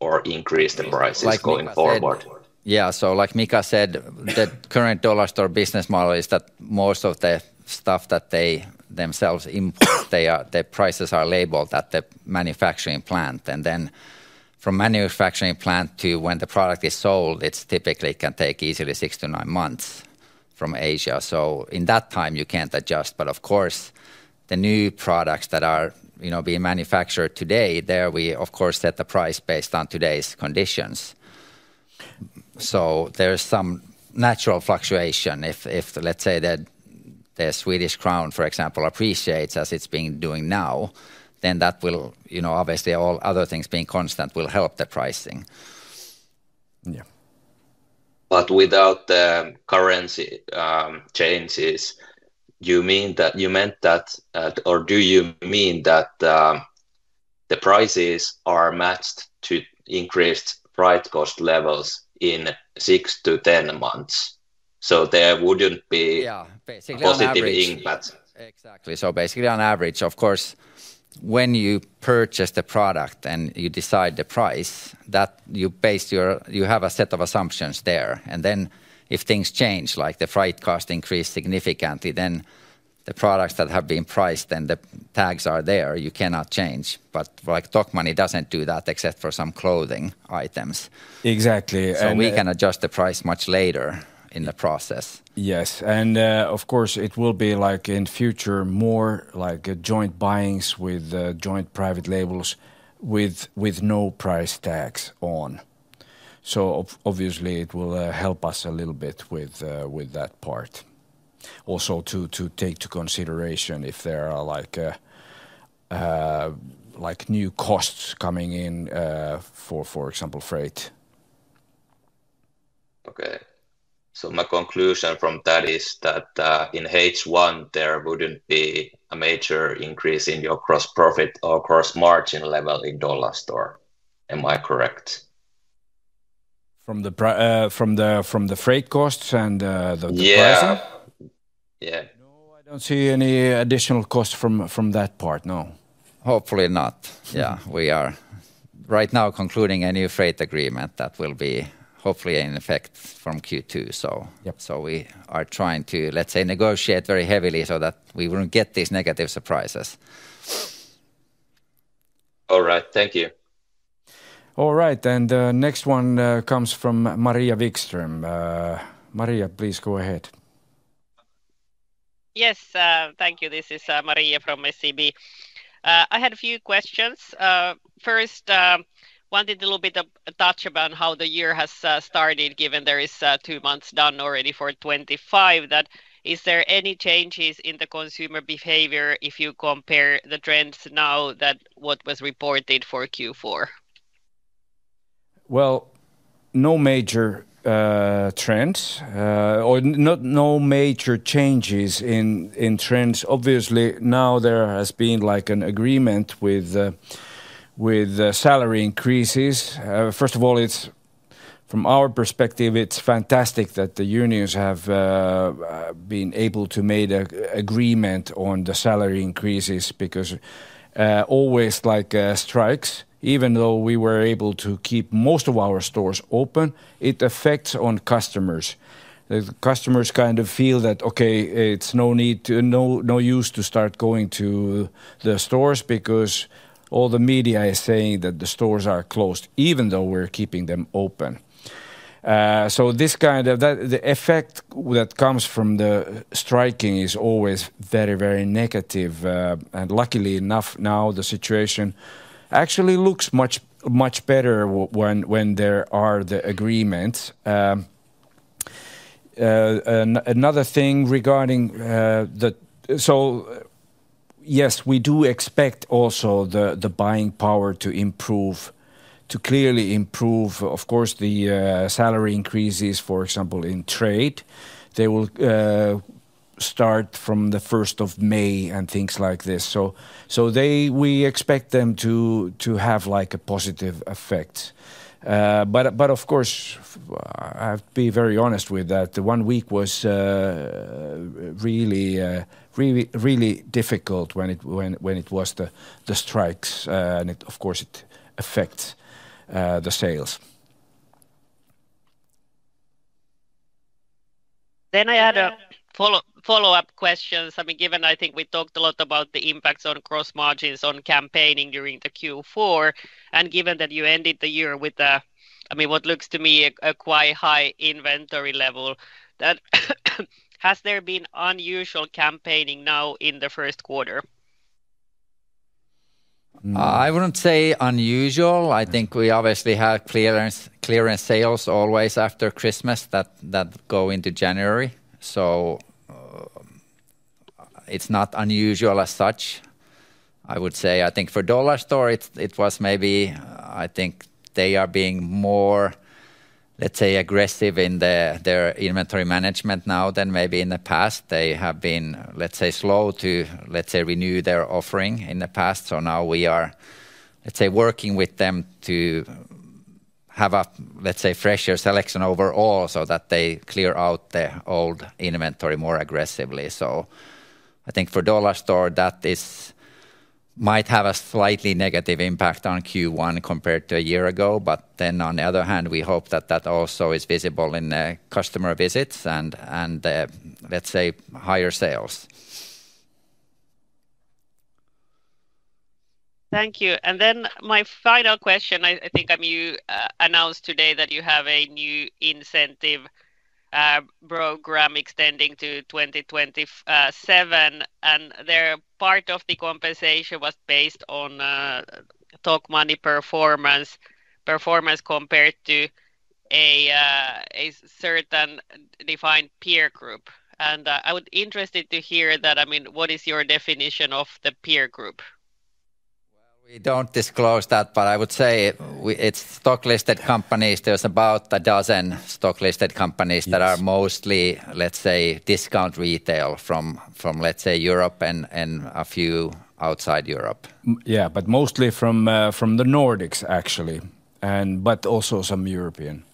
or increase the prices going forward? Yeah, so like Mika said, the current Dollarstore business model is that most of the stuff that they themselves import, the prices are labeled at the manufacturing plant. And then from manufacturing plant to when the product is sold, it typically can take easily six to nine months from Asia. In that time, you can't adjust. Of course, the new products that are being manufactured today, there we, of course, set the price based on today's conditions. There is some natural fluctuation. If, let's say, the Swedish crown, for example, appreciates as it's been doing now, then that will, obviously, all other things being constant, help the pricing. Yeah. Without the currency changes, you meant that, or do you mean that the prices are matched to increased price cost levels in six to ten months? So there wouldn't be positive impacts. Exactly. Basically, on average, of course, when you purchase the product and you decide the price, you have a set of assumptions there. If things change, like the price cost increased significantly, then the products that have been priced and the tags are there, you cannot change. Tokmanni does not do that except for some clothing items. Exactly. We can adjust the price much later in the process. Yes. Of course, it will be in future more like joint buyings with joint private labels with no price tags on. Obviously, it will help us a little bit with that part. Also to take into consideration if there are new costs coming in for, for example, freight. Okay. My conclusion from that is that in H1, there would not be a major increase in your gross profit or gross margin level in Dollarstore. Am I correct? From the freight costs and the price? Yeah. Yeah. No, I do not see any additional cost from that part, no. Hopefully not. Yeah, we are right now concluding a new freight agreement that will be hopefully in effect from Q2. We are trying to, let's say, negotiate very heavily so that we would not get these negative surprises. All right. Thank you. All right. The next one comes from Maria Wikstrom. Maria, please go ahead. Yes, thank you. This is Maria from SEB. I had a few questions. First, wanted a little bit of touch about how the year has started, given there is two months done already for 2025. Is there any changes in the consumer behavior if you compare the trends now that what was reported for Q4? No major trends or no major changes in trends. Obviously, now there has been like an agreement with salary increases. First of all, from our perspective, it's fantastic that the unions have been able to make an agreement on the salary increases because always like strikes, even though we were able to keep most of our stores open, it affects customers. Customers kind of feel that, okay, it's no need to, no use to start going to the stores because all the media is saying that the stores are closed, even though we're keeping them open. This kind of the effect that comes from the striking is always very, very negative. Luckily enough, now the situation actually looks much better when there are the agreements. Another thing regarding the, yes, we do expect also the buying power to improve, to clearly improve, of course, the salary increases, for example, in trade. They will start from the 1st of May and things like this. We expect them to have like a positive effect. Of course, I'll be very honest with that. The one week was really difficult when it was the strikes. Of course, it affects the sales. I had a follow-up question. I mean, given I think we talked a lot about the impacts on gross margins on campaigning during the Q4. Given that you ended the year with, I mean, what looks to me a quite high inventory level, has there been unusual campaigning now in the first quarter? I wouldn't say unusual. I think we obviously have clearance sales always after Christmas that go into January. It is not unusual as such, I would say. I think for Dollarstore, it was maybe, I think they are being more, let's say, aggressive in their inventory management now than maybe in the past. They have been, let's say, slow to, let's say, renew their offering in the past. Now we are, let's say, working with them to have a, let's say, fresher selection overall so that they clear out their old inventory more aggressively. I think for Dollarstore, that might have a slightly negative impact on Q1 compared to a year ago. On the other hand, we hope that that also is visible in the customer visits and, let's say, higher sales. Thank you. My final question, I think you announced today that you have a new incentive program extending to 2027. Part of the compensation was based on Tokmanni performance compared to a certain defined peer group. I would be interested to hear that, I mean, what is your definition of the peer group? We do not disclose that, but I would say it is stocklisted companies. There is about a dozen stocklisted companies that are mostly, let's say, discount retail from, let's say, Europe and a few outside Europe. Yeah, but mostly from the Nordics, actually, but also some European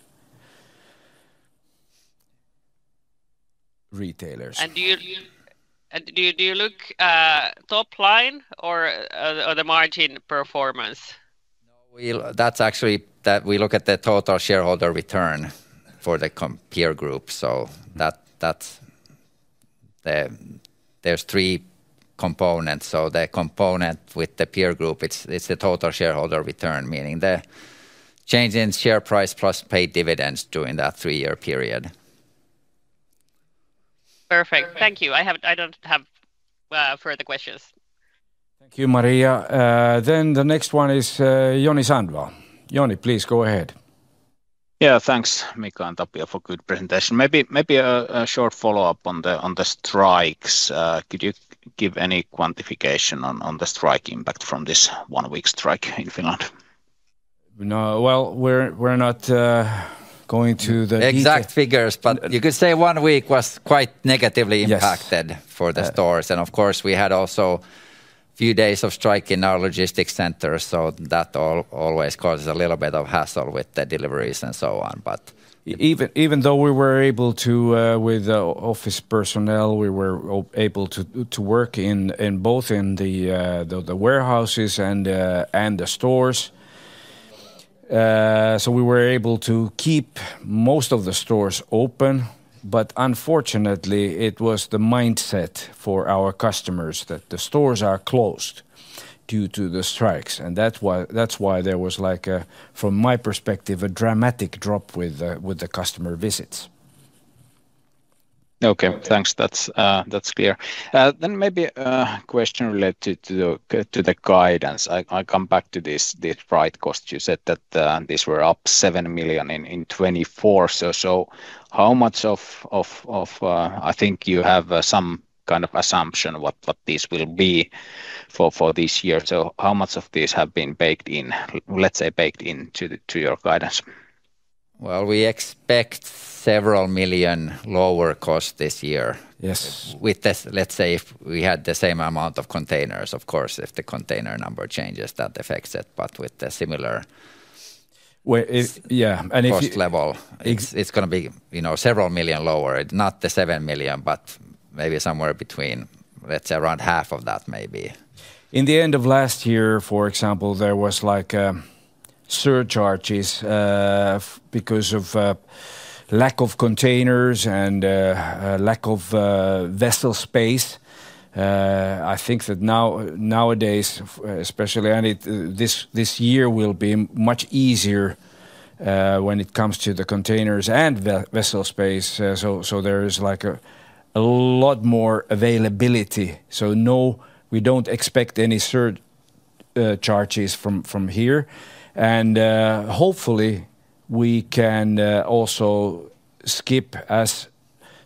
retailers. Do you look top line or the margin performance? That is actually that we look at the total shareholder return for the peer group. There are three components. The component with the peer group is the total shareholder return, meaning the change in share price plus paid dividends during that three-year period. Perfect. Thank you. I do not have further questions. Thank you, Maria. Thanks, Mika and Tapio, for a good presentation. Maybe a short follow-up on the strikes. Could you give any quantification on the strike impact from this one-week strike in Finland? We're not going to the exact figures, but you could say one week was quite negatively impacted for the stores. Of course, we had also a few days of strike in our logistics centers. That always causes a little bit of hassle with the deliveries and so on. Even though we were able to, with the office personnel, work in both the warehouses and the stores, we were able to keep most of the stores open. Unfortunately, it was the mindset for our customers that the stores are closed due to the strikes. That is why there was, from my perspective, a dramatic drop with the customer visits. Okay, thanks. That is clear. Maybe a question related to the guidance. I will come back to this price cost. You said that these were up 7 million in 2024. How much of, I think you have some kind of assumption what these will be for this year. How much of these have been baked in, let's say, baked into your guidance? We expect several million lower costs this year. Yes. If we had the same amount of containers, of course, if the container number changes, that affects it. With the similar cost level, it is going to be several million lower. Not the 7 million, but maybe somewhere between, let's say, around half of that maybe. In the end of last year, for example, there was surcharges because of lack of containers and lack of vessel space. I think that nowadays, especially, and this year will be much easier when it comes to the containers and vessel space. There is like a lot more availability. No, we do not expect any surcharges from here. Hopefully, we can also skip as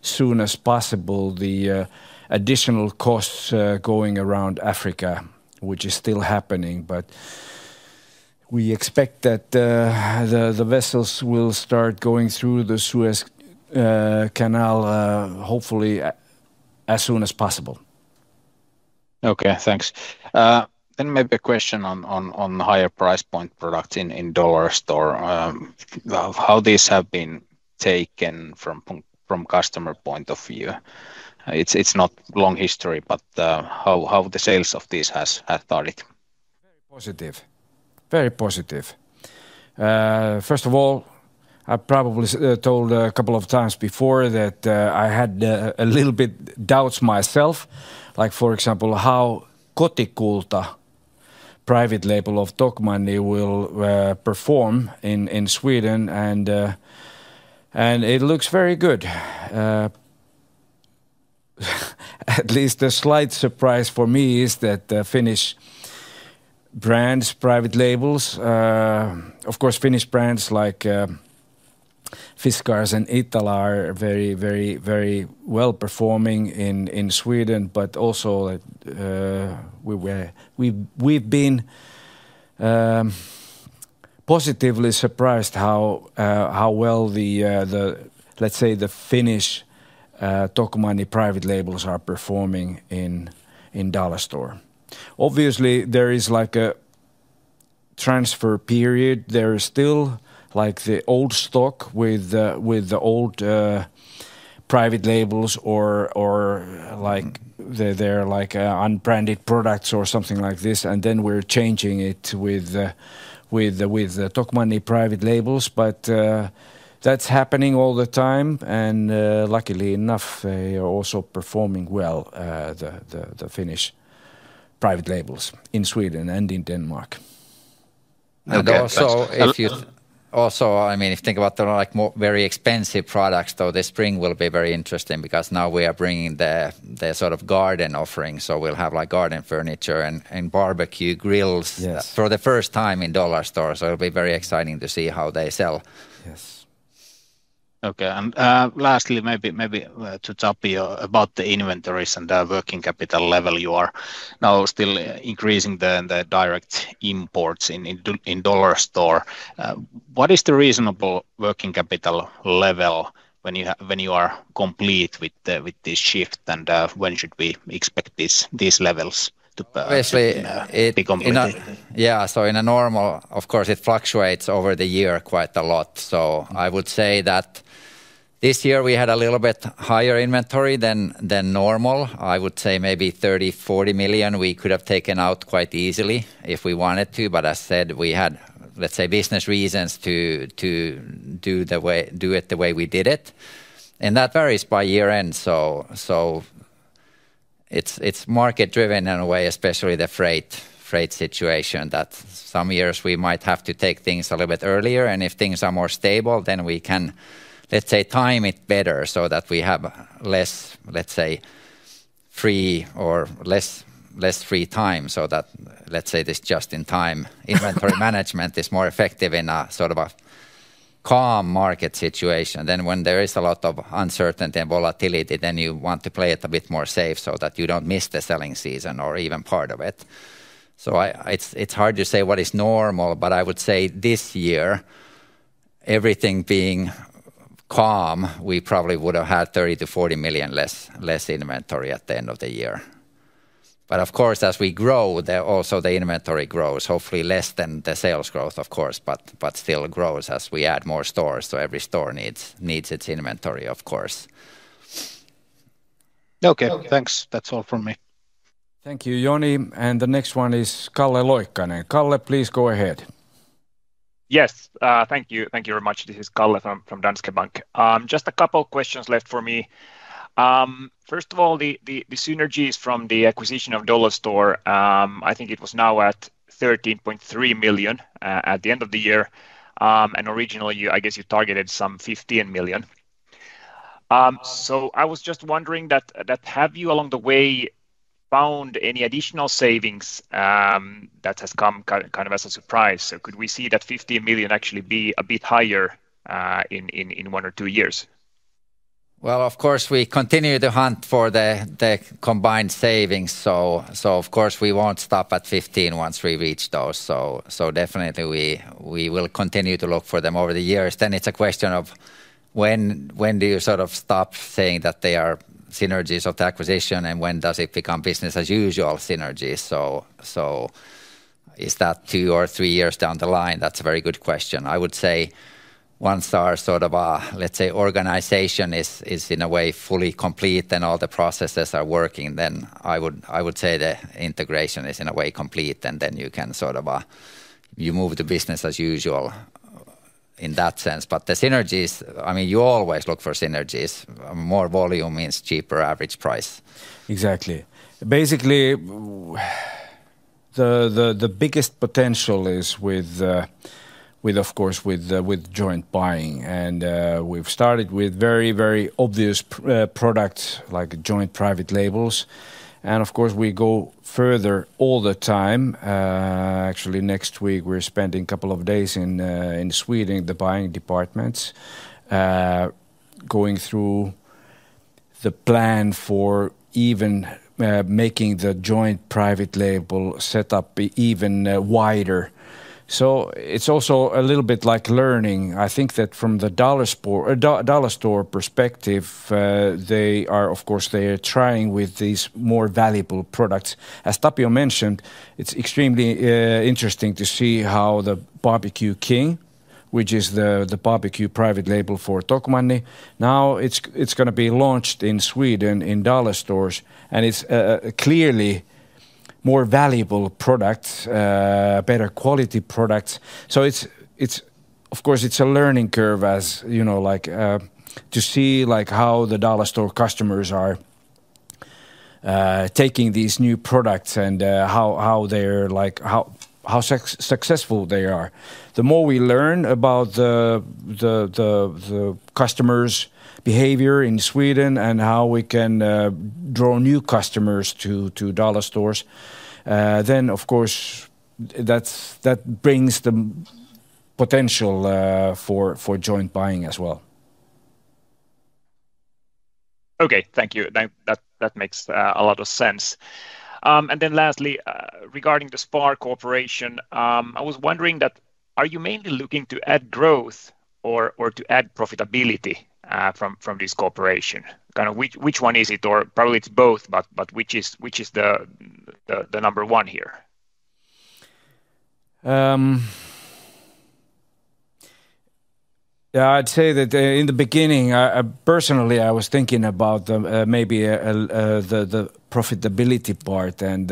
soon as possible the additional costs going around Africa, which is still happening. We expect that the vessels will start going through the Suez Canal, hopefully as soon as possible. Okay, thanks. Maybe a question on higher price point products in Dollarstore, how these have been taken from customer point of view. It is not long history, but how the sales of these have started. Very positive. Very positive. First of all, I probably told a couple of times before that I had a little bit of doubts myself, like for example, how Kotikulta, private label of Tokmanni, will perform in Sweden. It looks very good. At least the slight surprise for me is that Finnish brands, private labels, of course, Finnish brands like Fiskars and Iittala are very, very, very well performing in Sweden. Also, we've been positively surprised how well, let's say, the Finnish Tokmanni private labels are performing in Dollarstore. Obviously, there is like a transfer period. There is still like the old stock with the old private labels or like they're like unbranded products or something like this. We are changing it with the Tokmanni private labels. That's happening all the time. Luckily enough, they are also performing well, the Finnish private labels in Sweden and in Denmark. Also, I mean, if you think about the very expensive products, though, this spring will be very interesting because now we are bringing the sort of garden offering. We will have like garden furniture and barbecue grills for the first time in Dollarstore. It will be very exciting to see how they sell. Yes. Okay. Lastly, maybe to Tapio about the inventories and the working capital level, you are now still increasing the direct imports in Dollarstore. What is the reasonable working capital level when you are complete with this shift? When should we expect these levels to become more? Yeah. In a normal, of course, it fluctuates over the year quite a lot. I would say that this year we had a little bit higher inventory than normal. I would say maybe 30 million-40 million we could have taken out quite easily if we wanted to. As I said, we had, let's say, business reasons to do it the way we did it. That varies by year end. It is market-driven in a way, especially the freight situation. Some years we might have to take things a little bit earlier. If things are more stable, then we can, let's say, time it better so that we have less, let's say, free or less free time. This just-in-time inventory management is more effective in a sort of calm market situation. When there is a lot of uncertainty and volatility, you want to play it a bit more safe so that you do not miss the selling season or even part of it. It's hard to say what is normal, but I would say this year, everything being calm, we probably would have had 30 million-40 million less inventory at the end of the year. Of course, as we grow, also the inventory grows, hopefully less than the sales growth, of course, but still grows as we add more stores. Every store needs its inventory, of course. Okay. Thanks. That's all from me. Thank you, Joni. The next one is Calle Loikkanen. Kalle, please go ahead. Yes. Thank you very much. This is Calle from Danske Bank. Just a couple of questions left for me. First of all, the synergies from the acquisition of Dollarstore, I think it was now at 13.3 million at the end of the year. Originally, I guess you targeted some 15 million. I was just wondering that have you along the way found any additional savings that has come kind of as a surprise? Could we see that 15 million actually be a bit higher in one or two years? Of course, we continue to hunt for the combined savings. Of course, we will not stop at 15 million once we reach those. Definitely we will continue to look for them over the years. It is a question of when do you sort of stop saying that they are synergies of the acquisition and when does it become business-as-usual synergies? Is that two or three years down the line? That is a very good question. I would say once our sort of, let's say, organization is in a way fully complete and all the processes are working, then I would say the integration is in a way complete. You can sort of, you move the business as usual in that sense. The synergies, I mean, you always look for synergies. More volume means cheaper average price. Exactly. Basically, the biggest potential is with, of course, with joint buying. We have started with very, very obvious products like joint private labels. Of course, we go further all the time. Actually, next week, we are spending a couple of days in Sweden, the buying departments, going through the plan for even making the joint private label setup even wider. It is also a little bit like learning. I think that from the Dollarstore perspective, they are, of course, they are trying with these more valuable products. As Tapio mentioned, it's extremely interesting to see how the BBQ King, which is the barbecue private label for Tokmanni, now it's going to be launched in Sweden in Dollarstore. It's clearly more valuable products, better quality products. Of course, it's a learning curve as to see how the Dollarstore customers are taking these new products and how successful they are. The more we learn about the customers' behavior in Sweden and how we can draw new customers to Dollarstore, that brings the potential for joint buying as well. Okay. Thank you. That makes a lot of sense. Lastly, regarding the SPAR Corporation, I was wondering that are you mainly looking to add growth or to add profitability from this corporation? Kind of which one is it? Or probably it's both, but which is the number one here? Yeah, I'd say that in the beginning, personally, I was thinking about maybe the profitability part and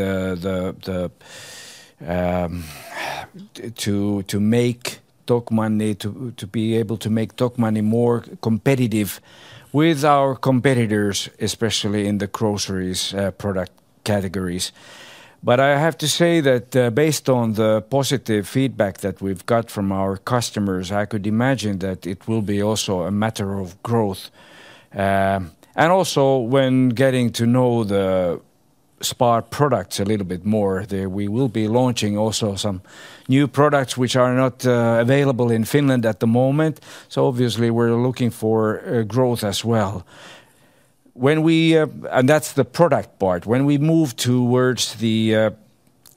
to make Tokmanni, to be able to make Tokmanni more competitive with our competitors, especially in the groceries product categories. I have to say that based on the positive feedback that we've got from our customers, I could imagine that it will be also a matter of growth. Also, when getting to know the SPAR products a little bit more, we will be launching also some new products which are not available in Finland at the moment. Obviously, we're looking for growth as well. That's the product part. When we move towards the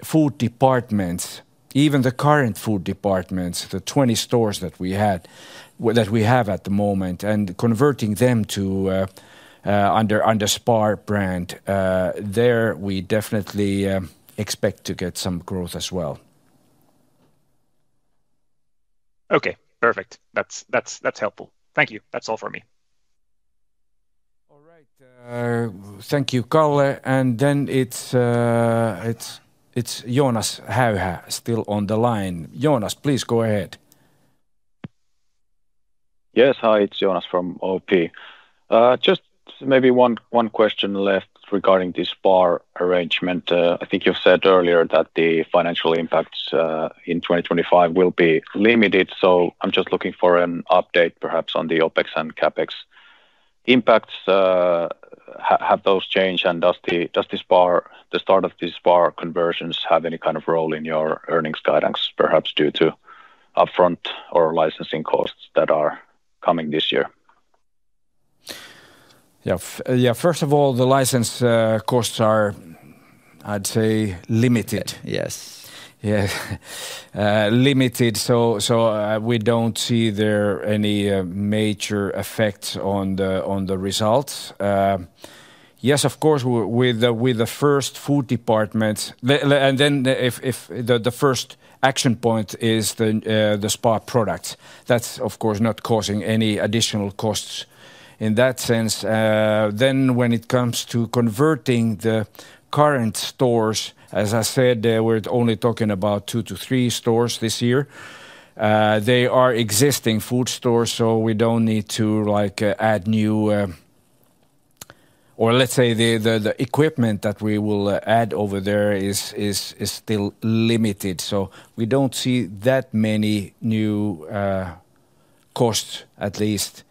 food departments, even the current food departments, the 20 stores that we have at the moment and converting them under SPAR brand, there we definitely expect to get some growth as well. Okay. Perfect. That's helpful. Thank you. That's all for me. All right. Thank you, Calle. Then it's Joonas Häyhä still on the line. Joonas, please go ahead. Yes. Hi, it's Joonas from OP. Just maybe one question left regarding this SPAR arrangement. I think you've said earlier that the financial impacts in 2025 will be limited. I'm just looking for an update perhaps on the OPEX and CapEx impacts. Have those changed? Does the start of these SPAR conversions have any kind of role in your earnings guidance, perhaps due to upfront or licensing costs that are coming this year? Yeah. First of all, the license costs are, I'd say, limited. Yes. Limited. We don't see there any major effects on the results. Yes, of course, with the first food department. If the first action point is the SPAR products, that's of course not causing any additional costs in that sense. When it comes to converting the current stores, as I said, we're only talking about two to three stores this year. They are existing food stores, so we don't need to add new or, let's say, the equipment that we will add over there is still limited. We don't see that many new costs at least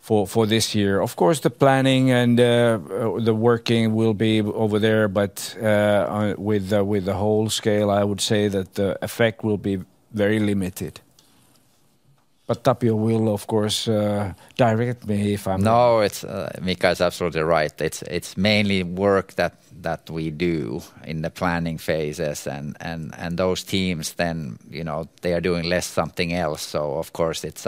for this year. Of course, the planning and the working will be over there, but with the whole scale, I would say that the effect will be very limited. Tapio will, of course, direct me if I'm not. No, Mika is absolutely right. It's mainly work that we do in the planning phases. Those teams then, they are doing less something else. It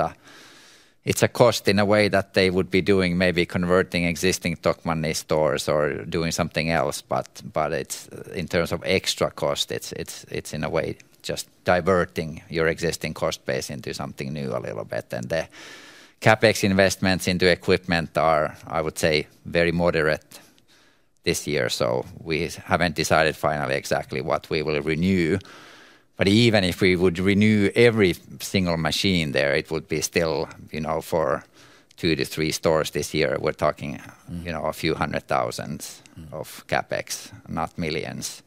is a cost in a way that they would be doing maybe converting existing Tokmanni stores or doing something else. In terms of extra cost, it is in a way just diverting your existing cost base into something new a little bit. The CapEx investments into equipment are, I would say, very moderate this year. We have not decided finally exactly what we will renew. Even if we would renew every single machine there, it would be still for two to three stores this year. We are talking a few hundred thousand EUR of CapEx, not millions.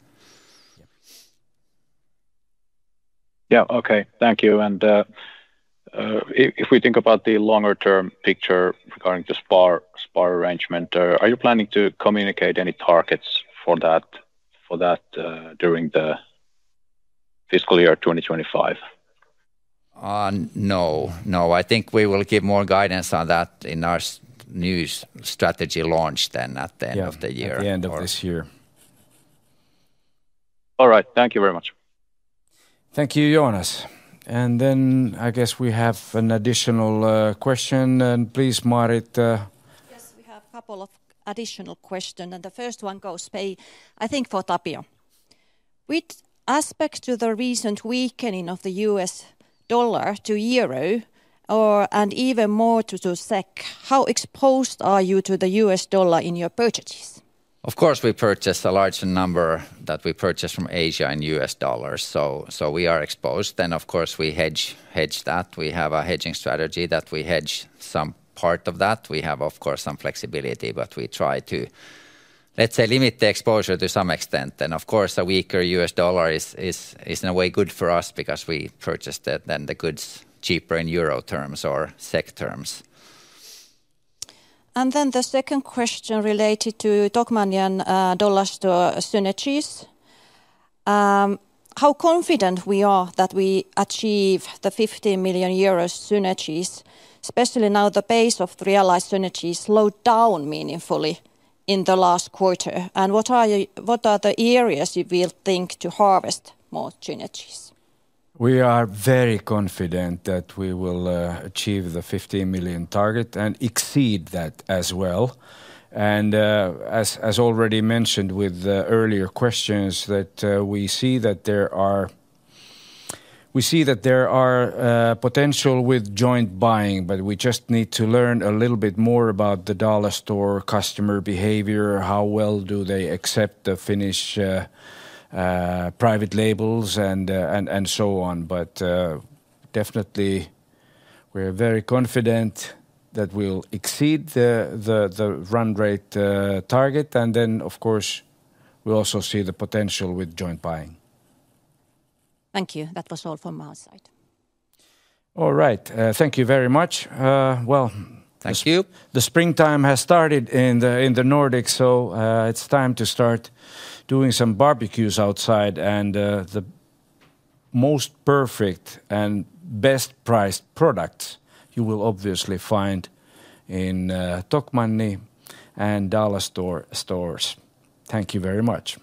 Yeah. Okay. Thank you. If we think about the longer-term picture regarding the SPAR arrangement, are you planning to communicate any targets for that during the fiscal year 2025? No. No. I think we will give more guidance on that in our new strategy launch at the end of the year. Yeah. The end of this year. All right. Thank you very much. Thank you, Joonas. I guess we have an additional question. Please, Maarit. Yes. We have a couple of additional questions. The first one goes, I think, for Tapio. With aspect to the recent weakening of the US dollar to Euro and even more to the SEC, how exposed are you to the US dollar in your purchases? Of course, we purchase a large number that we purchase from Asia in US dollars. We are exposed. Of course, we hedge that. We have a hedging strategy that we hedge some part of that. We have, of course, some flexibility, but we try to, let's say, limit the exposure to some extent. Of course, a weaker US dollar is in a way good for us because we purchase then the goods cheaper in EUR terms or SEC terms. The second question related to Tokmanni and Dollarstore synergies. How confident we are that we achieve the 15 million euros synergies, especially now the pace of realized synergies slowed down meaningfully in the last quarter. What are the areas you will think to harvest more synergies? We are very confident that we will achieve the 15 million target and exceed that as well. As already mentioned with the earlier questions, we see that there are potential with joint buying, but we just need to learn a little bit more about the Dollarstore customer behavior. How well do they accept the Finnish private labels and so on? We are very confident that we will exceed the run rate target. Of course, we also see the potential with joint buying. Thank you. That was all from my side. Thank you very much. The springtime has started in the Nordics, so it is time to start doing some barbecues outside. The most perfect and best priced products you will obviously find in Tokmanni and Dollarstore stores. Thank you very much.